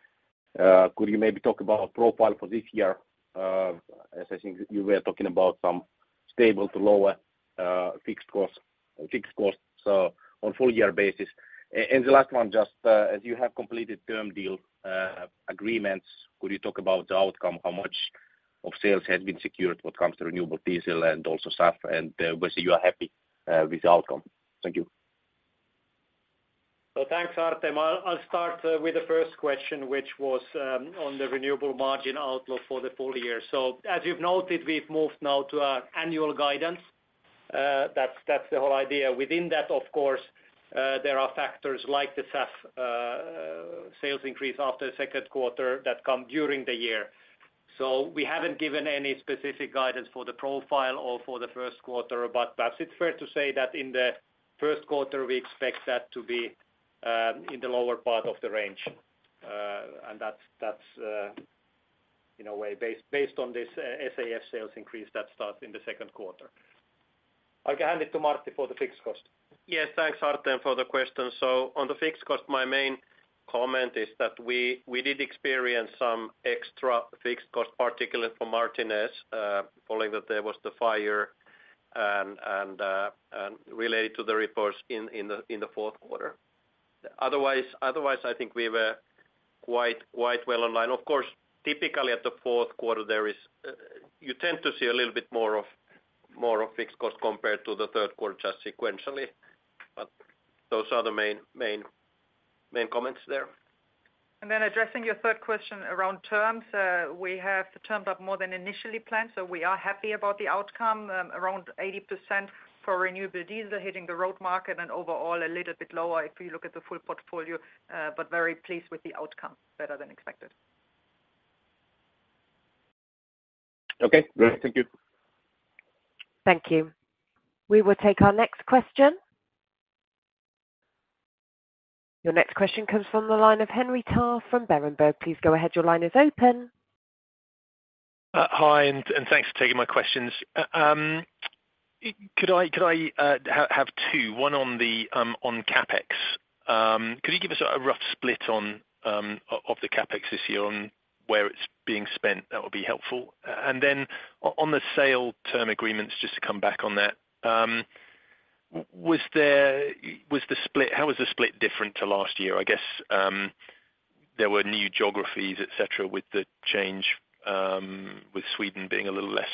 Could you maybe talk about profile for this year, as I think you were talking about some stable to lower fixed costs on full year basis? And the last one, just as you have completed term deal agreements, could you talk about the outcome? How much of sales has been secured when it comes to renewable diesel and also SAF, and whether you are happy with the outcome? Thank you. So thanks, Artem. I'll start with the first question, which was on the renewable margin outlook for the full year. So as you've noted, we've moved now to our annual guidance. That's the whole idea. Within that, of course, there are factors like the SAF sales increase after the second quarter that come during the year. So we haven't given any specific guidance for the profile or for the first quarter, but perhaps it's fair to say that in the first quarter, we expect that to be in the lower part of the range. And that's in a way based on this SAF sales increase that starts in the second quarter. I can hand it to Martti for the fixed cost. Yes, thanks, Artem, for the question. So on the fixed cost, my main comment is that we did experience some extra fixed cost, particularly for Martinez, following that there was the fire, and related to the reports in the fourth quarter. Otherwise, I think we were quite well aligned. Of course, typically at the fourth quarter there is, you tend to see a little bit more of fixed cost compared to the third quarter just sequentially, but those are the main comments there. And then addressing your third question around terms, we have termed up more than initially planned, so we are happy about the outcome. Around 80% for renewable diesel hitting the road market and overall a little bit lower if you look at the full portfolio, but very pleased with the outcome, better than expected. Okay, great. Thank you. Thank you. We will take our next question. Your next question comes from the line of Henry Tarr from Berenberg. Please go ahead. Your line is open. Hi, and thanks for taking my questions. Could I have two, one on the CapEx? Could you give us a rough split of the CapEx this year on where it's being spent? That would be helpful. And then on the sale term agreements, just to come back on that, was the split... How was the split different to last year? I guess, there were new geographies, et cetera, with the change, with Sweden being a little less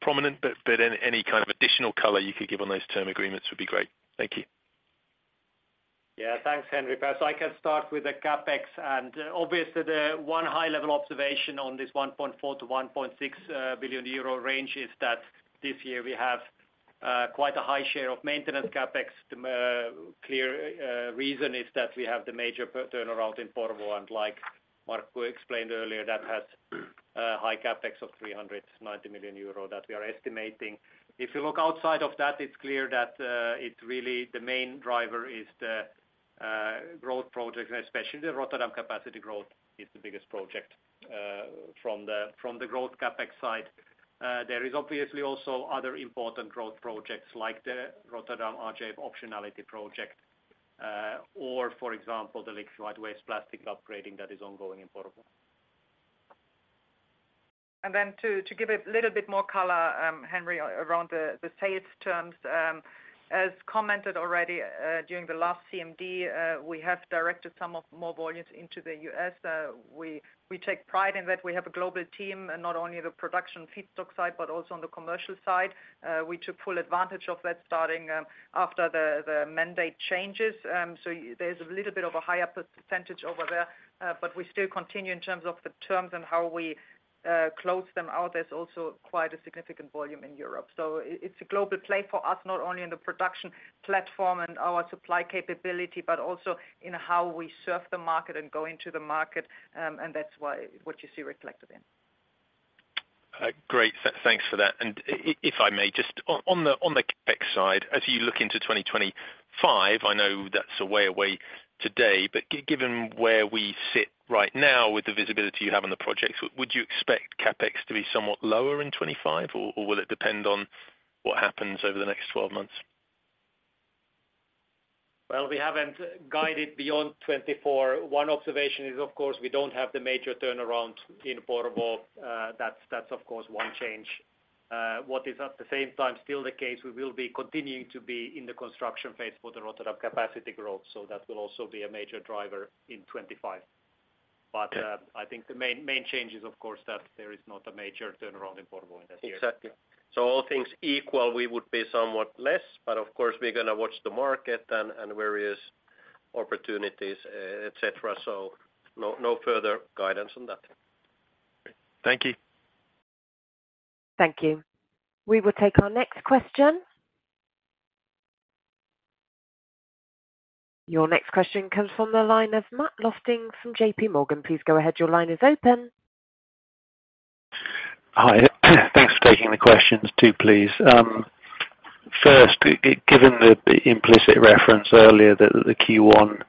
prominent, but any kind of additional color you could give on those term agreements would be great. Thank you. Yeah, thanks, Henry. So I can start with the CapEx, and obviously the one high-level observation on this 1.4 billion-1.6 billion euro range is that this year we have quite a high share of maintenance CapEx. The clear reason is that we have the major turnaround in Porvoo, and like Markku explained earlier, that has high CapEx of 390 million euro that we are estimating. If you look outside of that, it's clear that it really, the main driver is the growth project, and especially the Rotterdam capacity growth is the biggest project from the growth CapEx side. There is obviously also other important growth projects like the Rotterdam RJ optionality project or for example, the liquid waste plastic upgrading that is ongoing in Porvoo. ...And then to give a little bit more color, Henry, around the sales terms, as commented already, during the last CMD, we have directed some of more volumes into the U.S. We take pride in that we have a global team, and not only the production feedstock side, but also on the commercial side. We took full advantage of that, starting after the mandate changes. So there's a little bit of a higher percentage over there, but we still continue in terms of the terms and how we close them out. There's also quite a significant volume in Europe. So it's a global play for us, not only in the production platform and our supply capability, but also in how we serve the market and go into the market, and that's why, what you see reflected in. Great. Thanks for that. And if I may just on the CapEx side, as you look into 2025, I know that's a way away today, but given where we sit right now, with the visibility you have on the projects, would you expect CapEx to be somewhat lower in 2025, or will it depend on what happens over the next 12 months? Well, we haven't guided beyond 2024. One observation is, of course, we don't have the major turnaround in Porvoo. That's of course one change. What is at the same time still the case, we will be continuing to be in the construction phase for the Rotterdam capacity growth, so that will also be a major driver in 2025. But I think the main change is, of course, that there is not a major turnaround in Porvoo in that year. Exactly. So all things equal, we would be somewhat less, but of course, we're gonna watch the market and various opportunities, et cetera. So no further guidance on that. Thank you. Thank you. We will take our next question. Your next question comes from the line of Matt Lofting from JP Morgan. Please go ahead. Your line is open. Hi. Thanks for taking the questions too, please. First, given the implicit reference earlier, that the Q1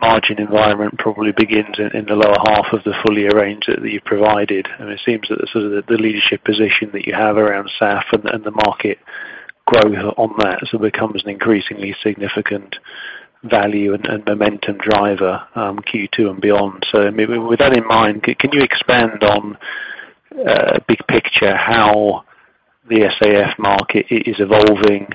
margin environment probably begins in the lower half of the full year range that you've provided, and it seems that the sort of the leadership position that you have around SAF and the market growth on that sort of becomes an increasingly significant value and momentum driver Q2 and beyond. So, I mean, with that in mind, can you expand on big picture, how the SAF market is evolving?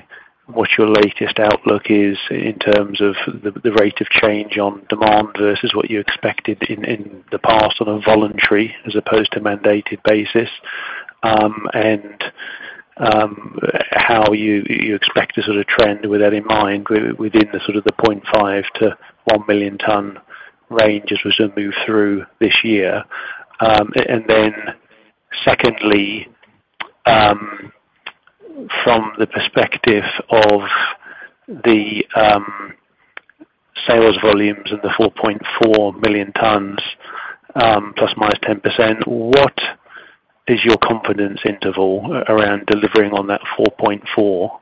What's your latest outlook is in terms of the rate of change on demand versus what you expected in the past, on a voluntary as opposed to mandated basis, and how you expect to sort of trend with that in mind, within the sort of 0.5-1 million ton range, as we sort of move through this year? And then secondly, from the perspective of the sales volumes and the 4.4 million tons, ±10%, what is your confidence interval around delivering on that 4.4,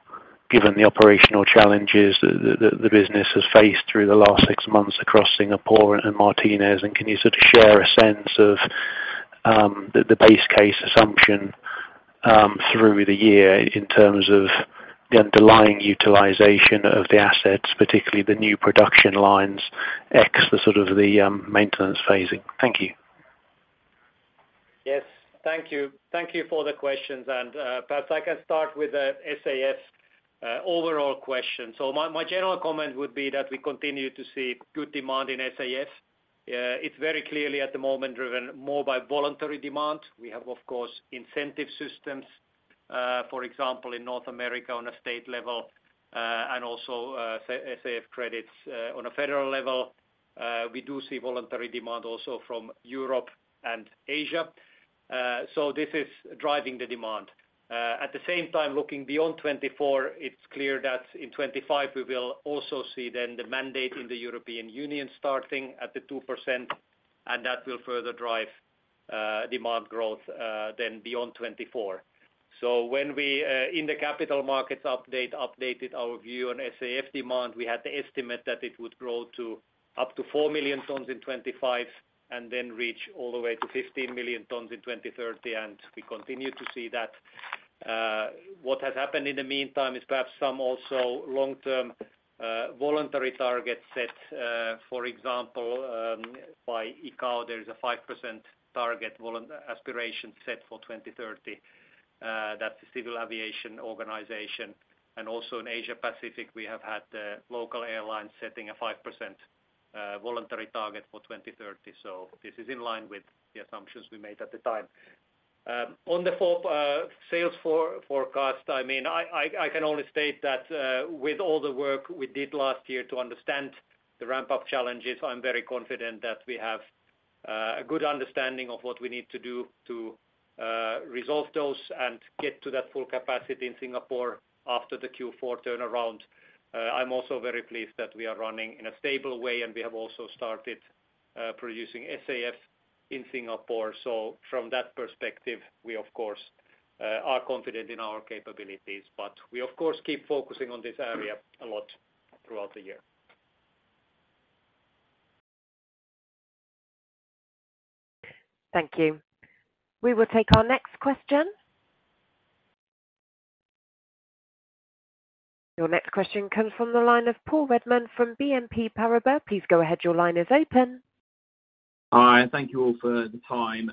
given the operational challenges the business has faced through the last 6 months across Singapore and Martinez? Can you sort of share a sense of the base case assumption through the year in terms of the underlying utilization of the assets, particularly the new production lines, ex the sort of maintenance phasing? Thank you. Yes, thank you. Thank you for the questions, and perhaps I can start with the SAF overall question. So my, my general comment would be that we continue to see good demand in SAF. It's very clearly at the moment, driven more by voluntary demand. We have, of course, incentive systems, for example, in North America on a state level, and also SAF credits on a federal level. We do see voluntary demand also from Europe and Asia. So this is driving the demand. At the same time, looking beyond 2024, it's clear that in 2025 we will also see then the mandate in the European Union starting at the 2%, and that will further drive demand growth, then beyond 2024. So when we in the capital markets update, updated our view on SAF demand, we had the estimate that it would grow to up to 4 million tons in 2025, and then reach all the way to 15 million tons in 2030, and we continue to see that. What has happened in the meantime is perhaps some also long-term voluntary targets set for example by ICAO, there is a 5% voluntary aspiration target set for 2030. That's the Civil Aviation Organization, and also in Asia Pacific, we have had local airlines setting a 5% voluntary target for 2030. So this is in line with the assumptions we made at the time. On the fourth sales forecast, I mean, I can only state that with all the work we did last year to understand the ramp-up challenges, I'm very confident that we have a good understanding of what we need to do to resolve those and get to that full capacity in Singapore after the Q4 turnaround. I'm also very pleased that we are running in a stable way, and we have also started producing SAF in Singapore. So from that perspective, we of course are confident in our capabilities, but we of course keep focusing on this area a lot throughout the year. Thank you. We will take our next question. Your next question comes from the line of Paul Redman from BNP Paribas. Please go ahead. Your line is open. Hi, thank you all for the time.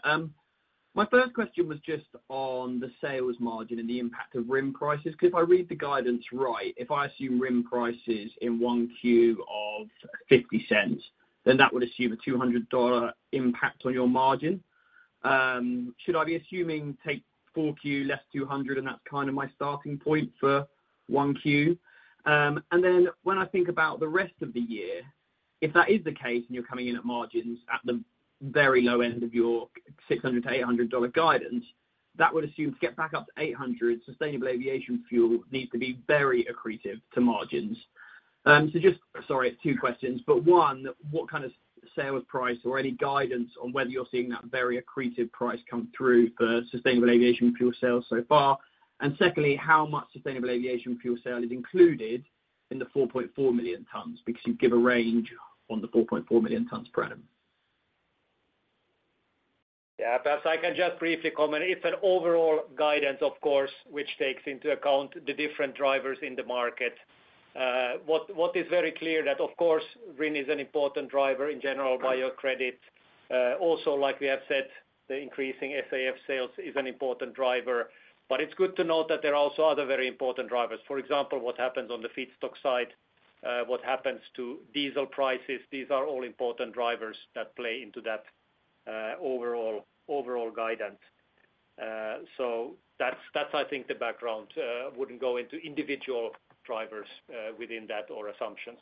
My first question was just on the sales margin and the impact of RIN prices, 'cause if I read the guidance right, if I assume RIN prices in 1Q of 50 cents, then that would assume a $200 impact on your margin. Should I be assuming 4Q less $200, and that's kind of my starting point for 1Q? And then when I think about the rest of the year, if that is the case, and you're coming in at margins at the very low end of your $600-$800 guidance, that would assume to get back up to $800, sustainable aviation fuel needs to be very accretive to margins. So just, sorry, two questions, but one, what kind of sales price or any guidance on whether you're seeing that very accretive price come through for sustainable aviation fuel sales so far? And secondly, how much sustainable aviation fuel sale is included in the 4.4 million tons? Because you give a range on the 4.4 million tons per annum. Yeah, perhaps I can just briefly comment. It's an overall guidance, of course, which takes into account the different drivers in the market. What is very clear that, of course, RIN is an important driver, in general, bio credit. Also, like we have said, the increasing SAF sales is an important driver. But it's good to note that there are also other very important drivers. For example, what happens on the feedstock side, what happens to diesel prices, these are all important drivers that play into that, overall guidance. So that's, I think, the background. Wouldn't go into individual drivers within that or assumptions.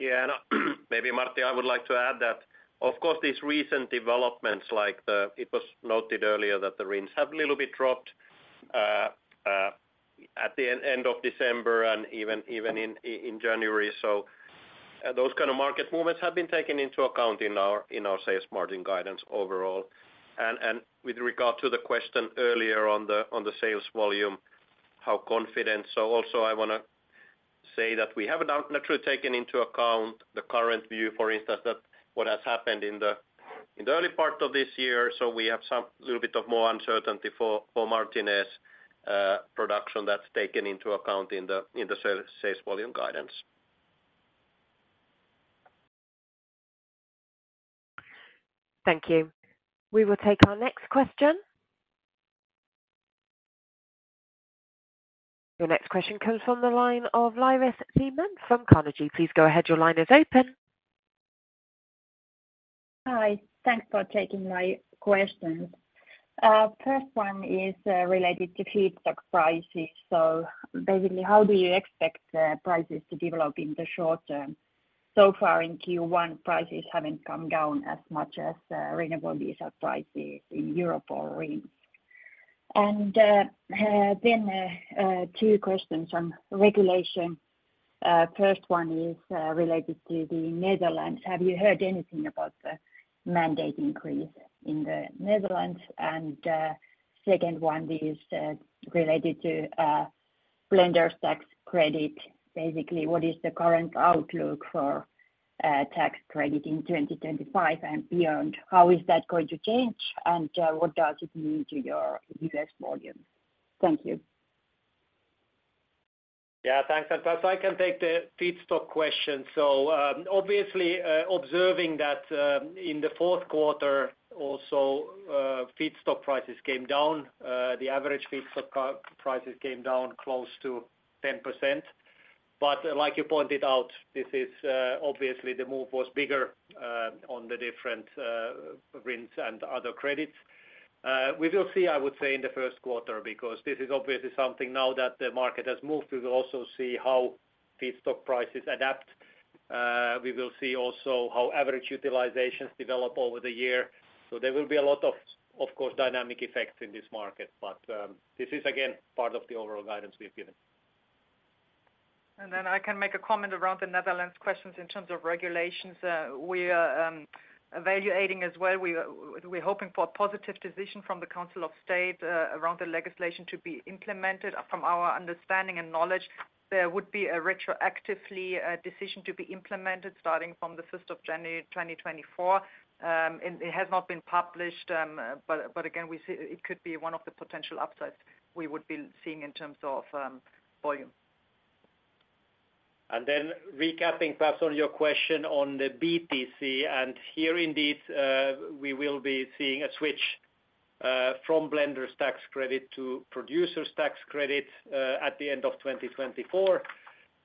Yeah, and maybe, Martti, I would like to add that, of course, these recent developments, like the - it was noted earlier, that the RINs have little bit dropped at the end of December and even in January. So those kind of market movements have been taken into account in our sales margin guidance overall. And with regard to the question earlier on the sales volume, how confident? So also I wanna say that we have naturally taken into account the current view, for instance, that what has happened in the early part of this year, so we have some little bit of more uncertainty for Martinez production that's taken into account in the sales volume guidance. Thank you. We will take our next question. Your next question comes from the line of Iris Niemans from Carnegie. Please go ahead. Your line is open. Hi, thanks for taking my questions. First one is related to feedstock prices. So basically, how do you expect prices to develop in the short term? So far in Q1, prices haven't come down as much as renewable diesel prices in Europe or RINs. And then two questions on regulation. First one is related to the Netherlands. Have you heard anything about the mandate increase in the Netherlands? And second one is related to blenders tax credit. Basically, what is the current outlook for tax credit in 2025 and beyond? How is that going to change, and what does it mean to your US volumes? Thank you. Yeah, thanks. Perhaps I can take the feedstock question. So, obviously, observing that, in the fourth quarter, also, feedstock prices came down. The average feedstock prices came down close to 10%. But like you pointed out, this is, obviously the move was bigger on the different RINs and other credits. We will see, I would say, in the first quarter, because this is obviously something now that the market has moved. We will also see how feedstock prices adapt. We will see also how average utilizations develop over the year. So there will be a lot of, of course, dynamic effects in this market. But, this is again, part of the overall guidance we've given. And then I can make a comment around the Netherlands questions in terms of regulations. We are evaluating as well. We are, we're hoping for a positive decision from the Council of State around the legislation to be implemented. From our understanding and knowledge, there would be a retroactively decision to be implemented starting from the fifth of January 2024. And it has not been published, but again, we see it could be one of the potential upsides we would be seeing in terms of volume. Then recapping, perhaps, on your question on the BTC, and here indeed, we will be seeing a switch from blenders' tax credit to producers' tax credit at the end of 2024.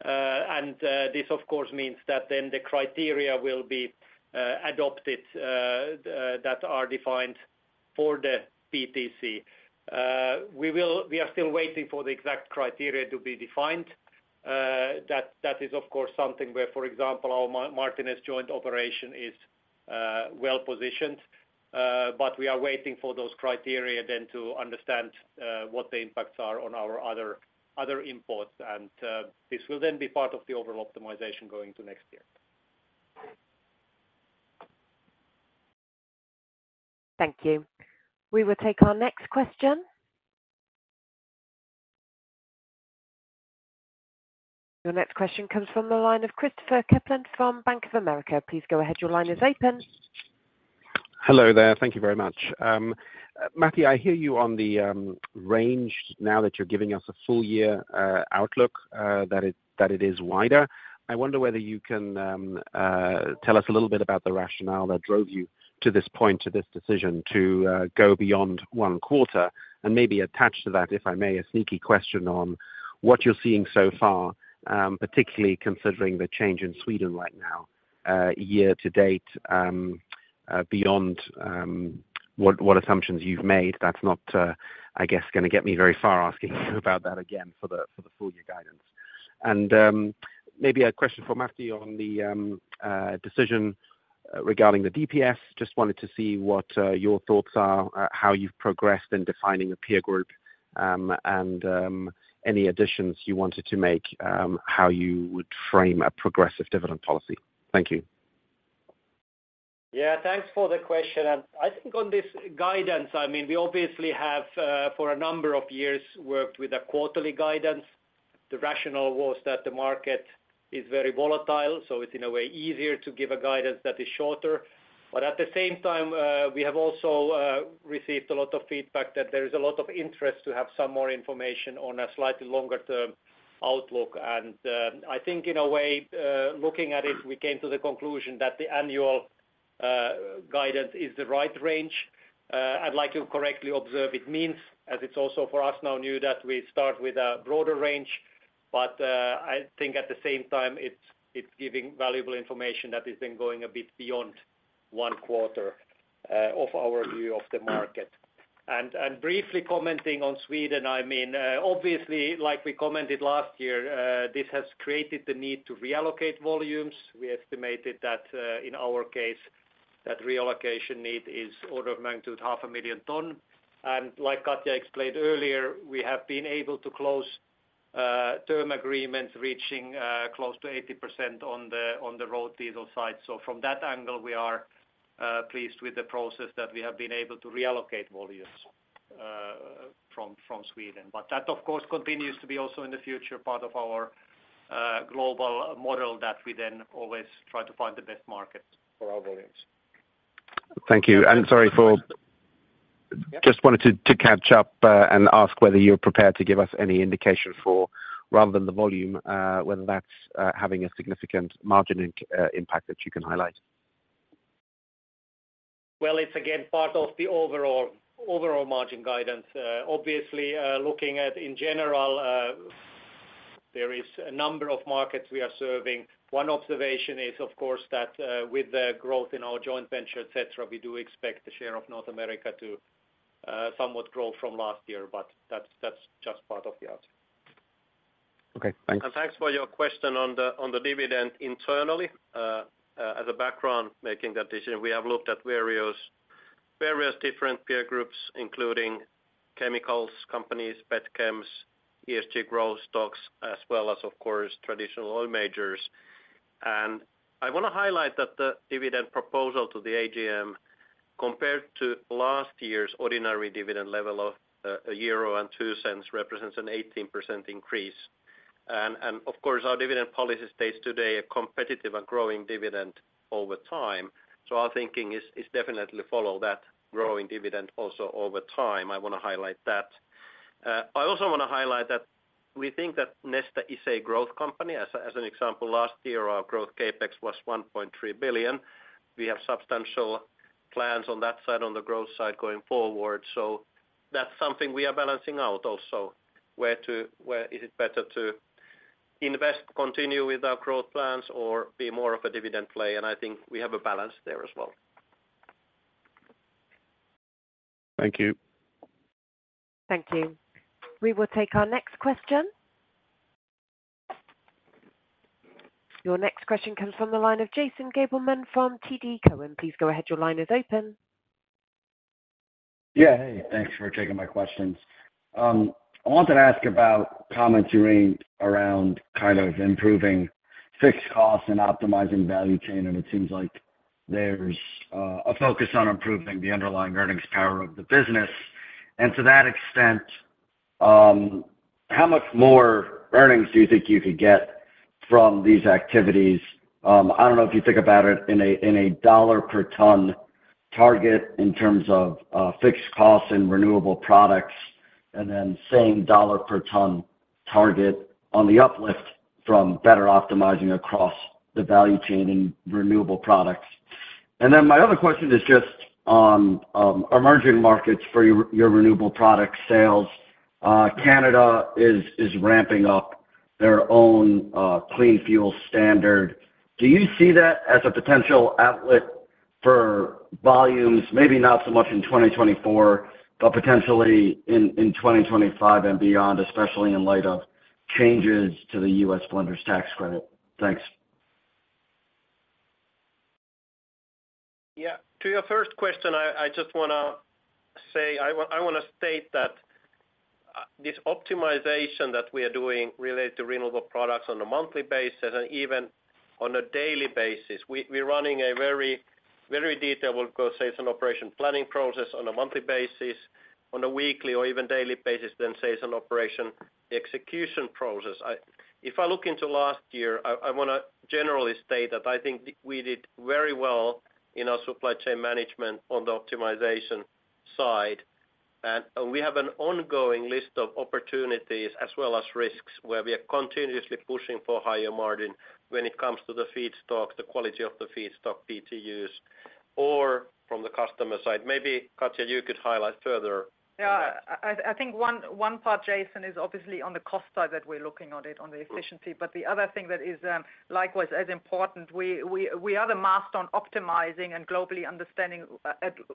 And this of course means that then the criteria will be adopted that are defined for the BTC. We are still waiting for the exact criteria to be defined. That is of course something where, for example, our Martinez joint operation is well positioned, but we are waiting for those criteria then to understand what the impacts are on our other imports. And this will then be part of the overall optimization going to next year. Thank you. We will take our next question.... Your next question comes from the line of Christopher Kuplent from Bank of America. Please go ahead. Your line is open. Hello there. Thank you very much. Matti, I hear you on the range now that you're giving us a full year outlook that it is wider. I wonder whether you can tell us a little bit about the rationale that drove you to this point, to this decision to go beyond one quarter, and maybe attached to that, if I may, a sneaky question on what you're seeing so far, particularly considering the change in Sweden right now, year to date, beyond what assumptions you've made, that's not, I guess gonna get me very far asking you about that again for the full year guidance. And maybe a question for Matti on the decision regarding the DPS. Just wanted to see what your thoughts are, how you've progressed in defining a peer group, and any additions you wanted to make, how you would frame a progressive dividend policy? Thank you. Yeah, thanks for the question, and I think on this guidance, I mean, we obviously have, for a number of years, worked with a quarterly guidance. The rationale was that the market is very volatile, so it's in a way easier to give a guidance that is shorter. But at the same time, we have also received a lot of feedback that there is a lot of interest to have some more information on a slightly longer term outlook. And, I think in a way, looking at it, we came to the conclusion that the annual guidance is the right range. I'd like to correctly observe it means, as it's also for us, now new, that we start with a broader range, but I think at the same time, it's giving valuable information that is then going a bit beyond one quarter of our view of the market. And briefly commenting on Sweden, I mean, obviously, like we commented last year, this has created the need to reallocate volumes. We estimated that, in our case, that reallocation need is order of magnitude 500,000 tons. And like Katja explained earlier, we have been able to close term agreements reaching close to 80% on the road diesel side. So from that angle, we are pleased with the process that we have been able to reallocate volumes from Sweden. That, of course, continues to be also in the future part of our global model that we then always try to find the best market for our volumes. Thank you, and sorry for- Yeah. Just wanted to catch up and ask whether you're prepared to give us any indication for, rather than the volume, whether that's having a significant margin impact that you can highlight? Well, it's again part of the overall margin guidance. Obviously, looking at in general, there is a number of markets we are serving. One observation is, of course, that with the growth in our joint venture, et cetera, we do expect the share of North America to somewhat grow from last year, but that's just part of the answer. Okay, thanks. Thanks for your question on the dividend internally. As background, making that decision, we have looked at various different peer groups, including chemicals companies, pet chems, ESG growth stocks, as well as, of course, traditional oil majors. I wanna highlight that the dividend proposal to the AGM, compared to last year's ordinary dividend level of 1.02 euro, represents an 18% increase. Of course, our dividend policy states today a competitive and growing dividend over time. So our thinking is definitely follow that growing dividend also over time. I wanna highlight that. I also wanna highlight that we think that Neste is a growth company. As an example, last year, our growth CapEx was 1.3 billion. We have substantial plans on that side, on the growth side, going forward. So that's something we are balancing out also, where is it better to invest, continue with our growth plans or be more of a dividend play, and I think we have a balance there as well. Thank you. Thank you. We will take our next question. Your next question comes from the line of Jason Gabelman from TD Cowen. Please go ahead. Your line is open. Yeah. Hey, thanks for taking my questions. I wanted to ask about comments you made around kind of improving fixed costs and optimizing value chain, and it seems like there's a focus on improving the underlying earnings power of the business. And to that extent, how much more earnings do you think you could get from these activities? I don't know if you think about it in a $ per ton target in terms of fixed costs and renewable products, and then same $ per ton target on the uplift from better optimizing across the value chain in renewable products. And then my other question is just on emerging markets for your renewable product sales. Canada is ramping up their own clean fuel standard. Do you see that as a potential outlet for volumes? Maybe not so much in 2024, but potentially in, in 2025 and beyond, especially in light of changes to the U.S. blenders tax credit? Thanks. Yeah. To your first question, I just wanna say, I wanna state that this optimization that we are doing related to renewable products on a monthly basis and even on a daily basis. We're running a very, very detailed, we'll call, say, it's an operation planning process on a monthly basis, on a weekly or even daily basis, then say, it's an operation execution process. If I look into last year, I wanna generally state that I think we did very well in our supply chain management on the optimization side. And we have an ongoing list of opportunities as well as risks, where we are continuously pushing for higher margin when it comes to the feedstock, the quality of the feedstock, BTUs, or from the customer side. Maybe, Katja, you could highlight further. Yeah. I think one part, Jason, is obviously on the cost side that we're looking on it, on the efficiency. But the other thing that is likewise as important, we are the master on optimizing and globally understanding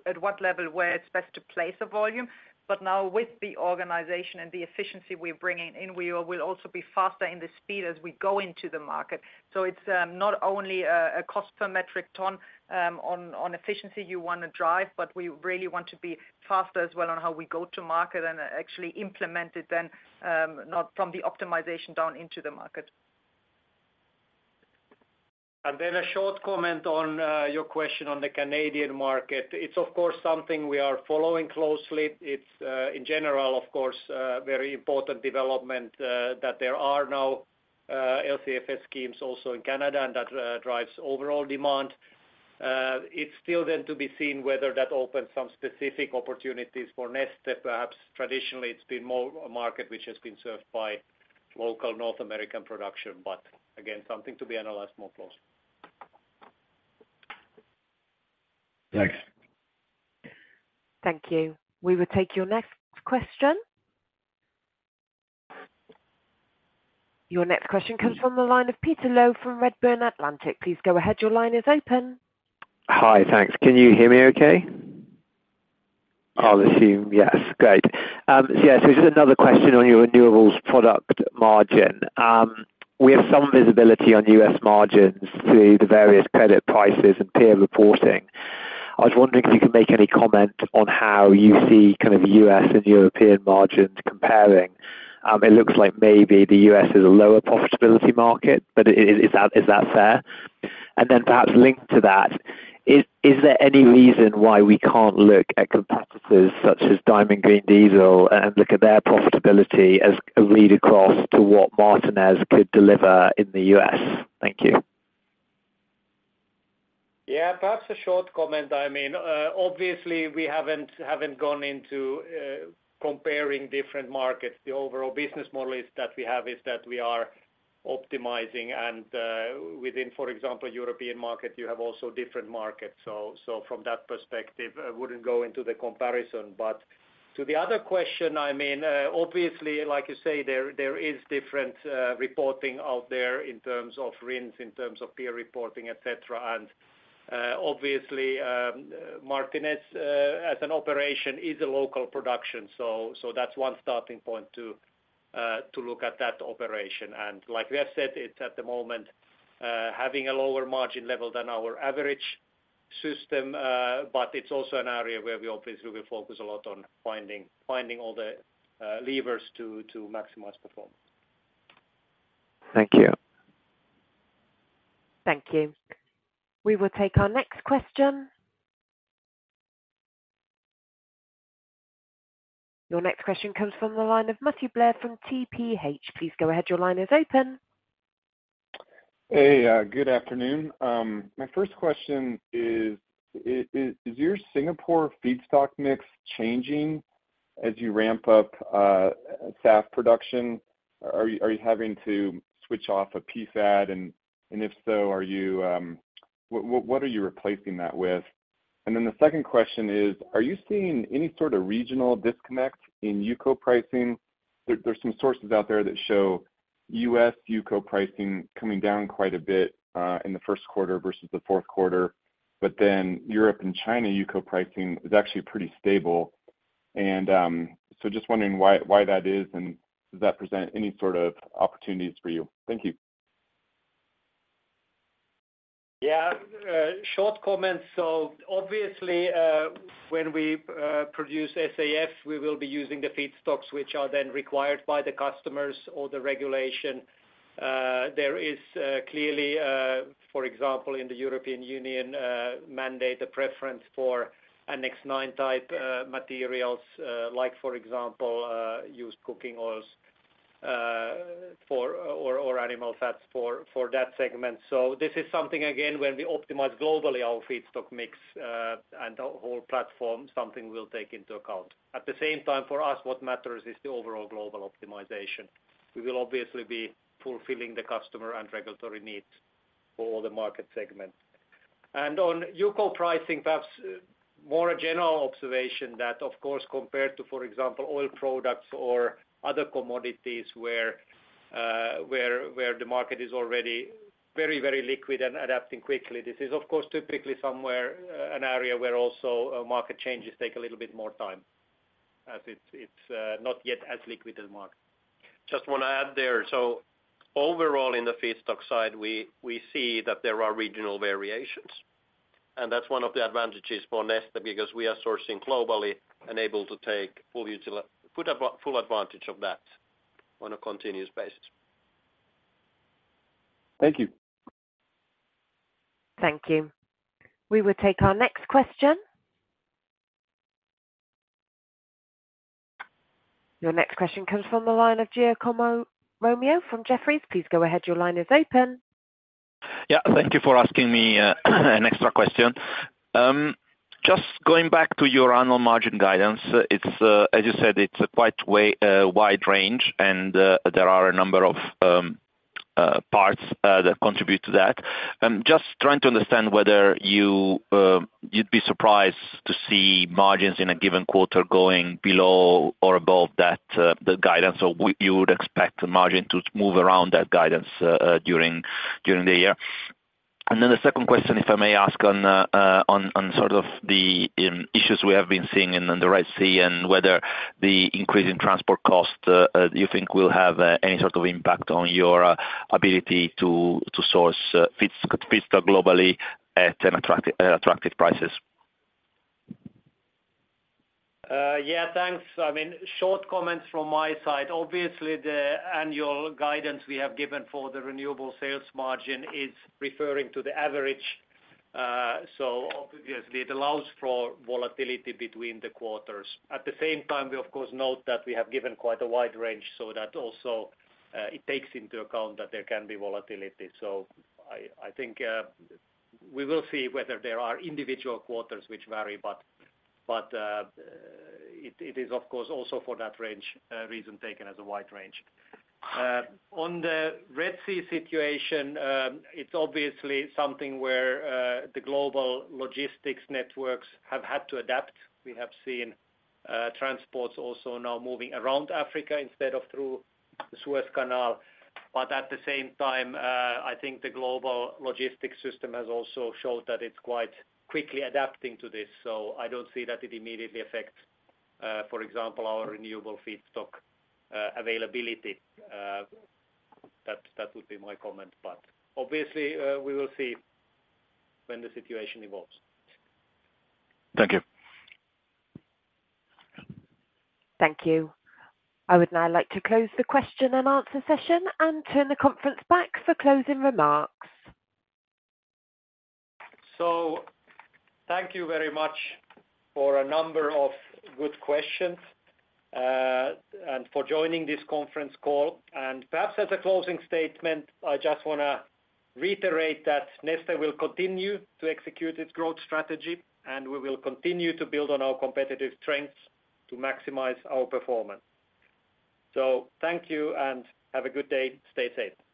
at what level, where it's best to place a volume. But now with the organization and the efficiency we're bringing in, we will also be faster in the speed as we go into the market. So it's not only a cost per metric ton on efficiency you wanna drive, but we really want to be faster as well on how we go to market and actually implement it then not from the optimization down into the market. Then a short comment on your question on the Canadian market. It's of course, something we are following closely. It's in general, of course, a very important development, that there are now LCFS schemes also in Canada, and that drives overall demand. It's still then to be seen whether that opens some specific opportunities for Neste. Perhaps traditionally, it's been more a market which has been served by local North American production, but again, something to be analyzed more closely. Thanks. Thank you. We will take your next question. Your next question comes from the line of Peter Low from Redburn Atlantic. Please go ahead. Your line is open. Hi. Thanks. Can you hear me okay? I'll assume yes. Great. Yeah, so just another question on your renewables product margin. We have some visibility on U.S. margins through the various credit prices and peer reporting. I was wondering if you could make any comment on how you see kind of U.S. and European margins comparing? It looks like maybe the U.S. is a lower profitability market, but is that, is that fair? And then perhaps linked to that, is there any reason why we can't look at competitors such as Diamond Green Diesel and look at their profitability as a read across to what Martinez could deliver in the U.S.? Thank you. Yeah, perhaps a short comment. I mean, obviously, we haven't gone into comparing different markets. The overall business model is that we have is that we are optimizing and within, for example, European market, you have also different markets. So from that perspective, I wouldn't go into the comparison. But to the other question, I mean, obviously, like you say, there is different reporting out there in terms of RINs, in terms of peer reporting, et cetera. And obviously, Martinez as an operation, is a local production. So that's one starting point to look at that operation. Like we have said, it's at the moment having a lower margin level than our average system, but it's also an area where we obviously will focus a lot on finding all the levers to maximize performance. Thank you. Thank you. We will take our next question. Your next question comes from the line of Matthew Blair from TPH. Please go ahead. Your line is open. Hey, good afternoon. My first question is, is your Singapore feedstock mix changing as you ramp up SAF production? Are you having to switch off a PFAD? And if so, are you... What are you replacing that with? And then the second question is, are you seeing any sort of regional disconnect in UCO pricing? There's some sources out there that show US UCO pricing coming down quite a bit in the first quarter versus the fourth quarter. But then Europe and China, UCO pricing is actually pretty stable. And so just wondering why that is, and does that present any sort of opportunities for you? Thank you. Yeah, short comment. So obviously, when we produce SAF, we will be using the feedstocks, which are then required by the customers or the regulation. There is clearly, for example, in the European Union mandate, a preference for Annex IX type materials, like, for example, used cooking oils, or animal fats for that segment. So this is something, again, when we optimize globally our feedstock mix and the whole platform, something we'll take into account. At the same time, for us, what matters is the overall global optimization. We will obviously be fulfilling the customer and regulatory needs for all the market segments. On UCO pricing, perhaps more a general observation that, of course, compared to, for example, oil products or other commodities where the market is already very, very liquid and adapting quickly, this is, of course, typically somewhere an area where also market changes take a little bit more time, as it's not yet as liquid a market. Just wanna add there: so overall in the feedstock side, we see that there are regional variations. That's one of the advantages for Neste, because we are sourcing globally and able to take full util- put a full advantage of that on a continuous basis. Thank you. Thank you. We will take our next question. Your next question comes from the line of Giacomo Romeo from Jefferies. Please go ahead. Your line is open. Yeah, thank you for asking me an extra question. Just going back to your annual margin guidance, it's, as you said, it's quite a wide range, and there are a number of parts that contribute to that. I'm just trying to understand whether you'd be surprised to see margins in a given quarter going below or above that guidance, or would you expect the margin to move around that guidance during the year? And then the second question, if I may ask on the issues we have been seeing in the Red Sea and whether the increase in transport costs do you think will have any sort of impact on your ability to source feedstock globally at an attractive prices? Yeah, thanks. I mean, short comments from my side. Obviously, the annual guidance we have given for the renewable sales margin is referring to the average. So obviously, it allows for volatility between the quarters. At the same time, we of course note that we have given quite a wide range, so that also it takes into account that there can be volatility. So I think we will see whether there are individual quarters which vary, but it is of course also for that range reason taken as a wide range. On the Red Sea situation, it's obviously something where the global logistics networks have had to adapt. We have seen transports also now moving around Africa instead of through the Suez Canal. But at the same time, I think the global logistics system has also showed that it's quite quickly adapting to this, so I don't see that it immediately affects, for example, our renewable feedstock availability. That would be my comment. But obviously, we will see when the situation evolves. Thank you. Thank you. I would now like to close the question and answer session and turn the conference back for closing remarks. So thank you very much for a number of good questions, and for joining this conference call. And perhaps as a closing statement, I just wanna reiterate that Neste will continue to execute its growth strategy, and we will continue to build on our competitive strengths to maximize our performance. So thank you, and have a good day. Stay safe.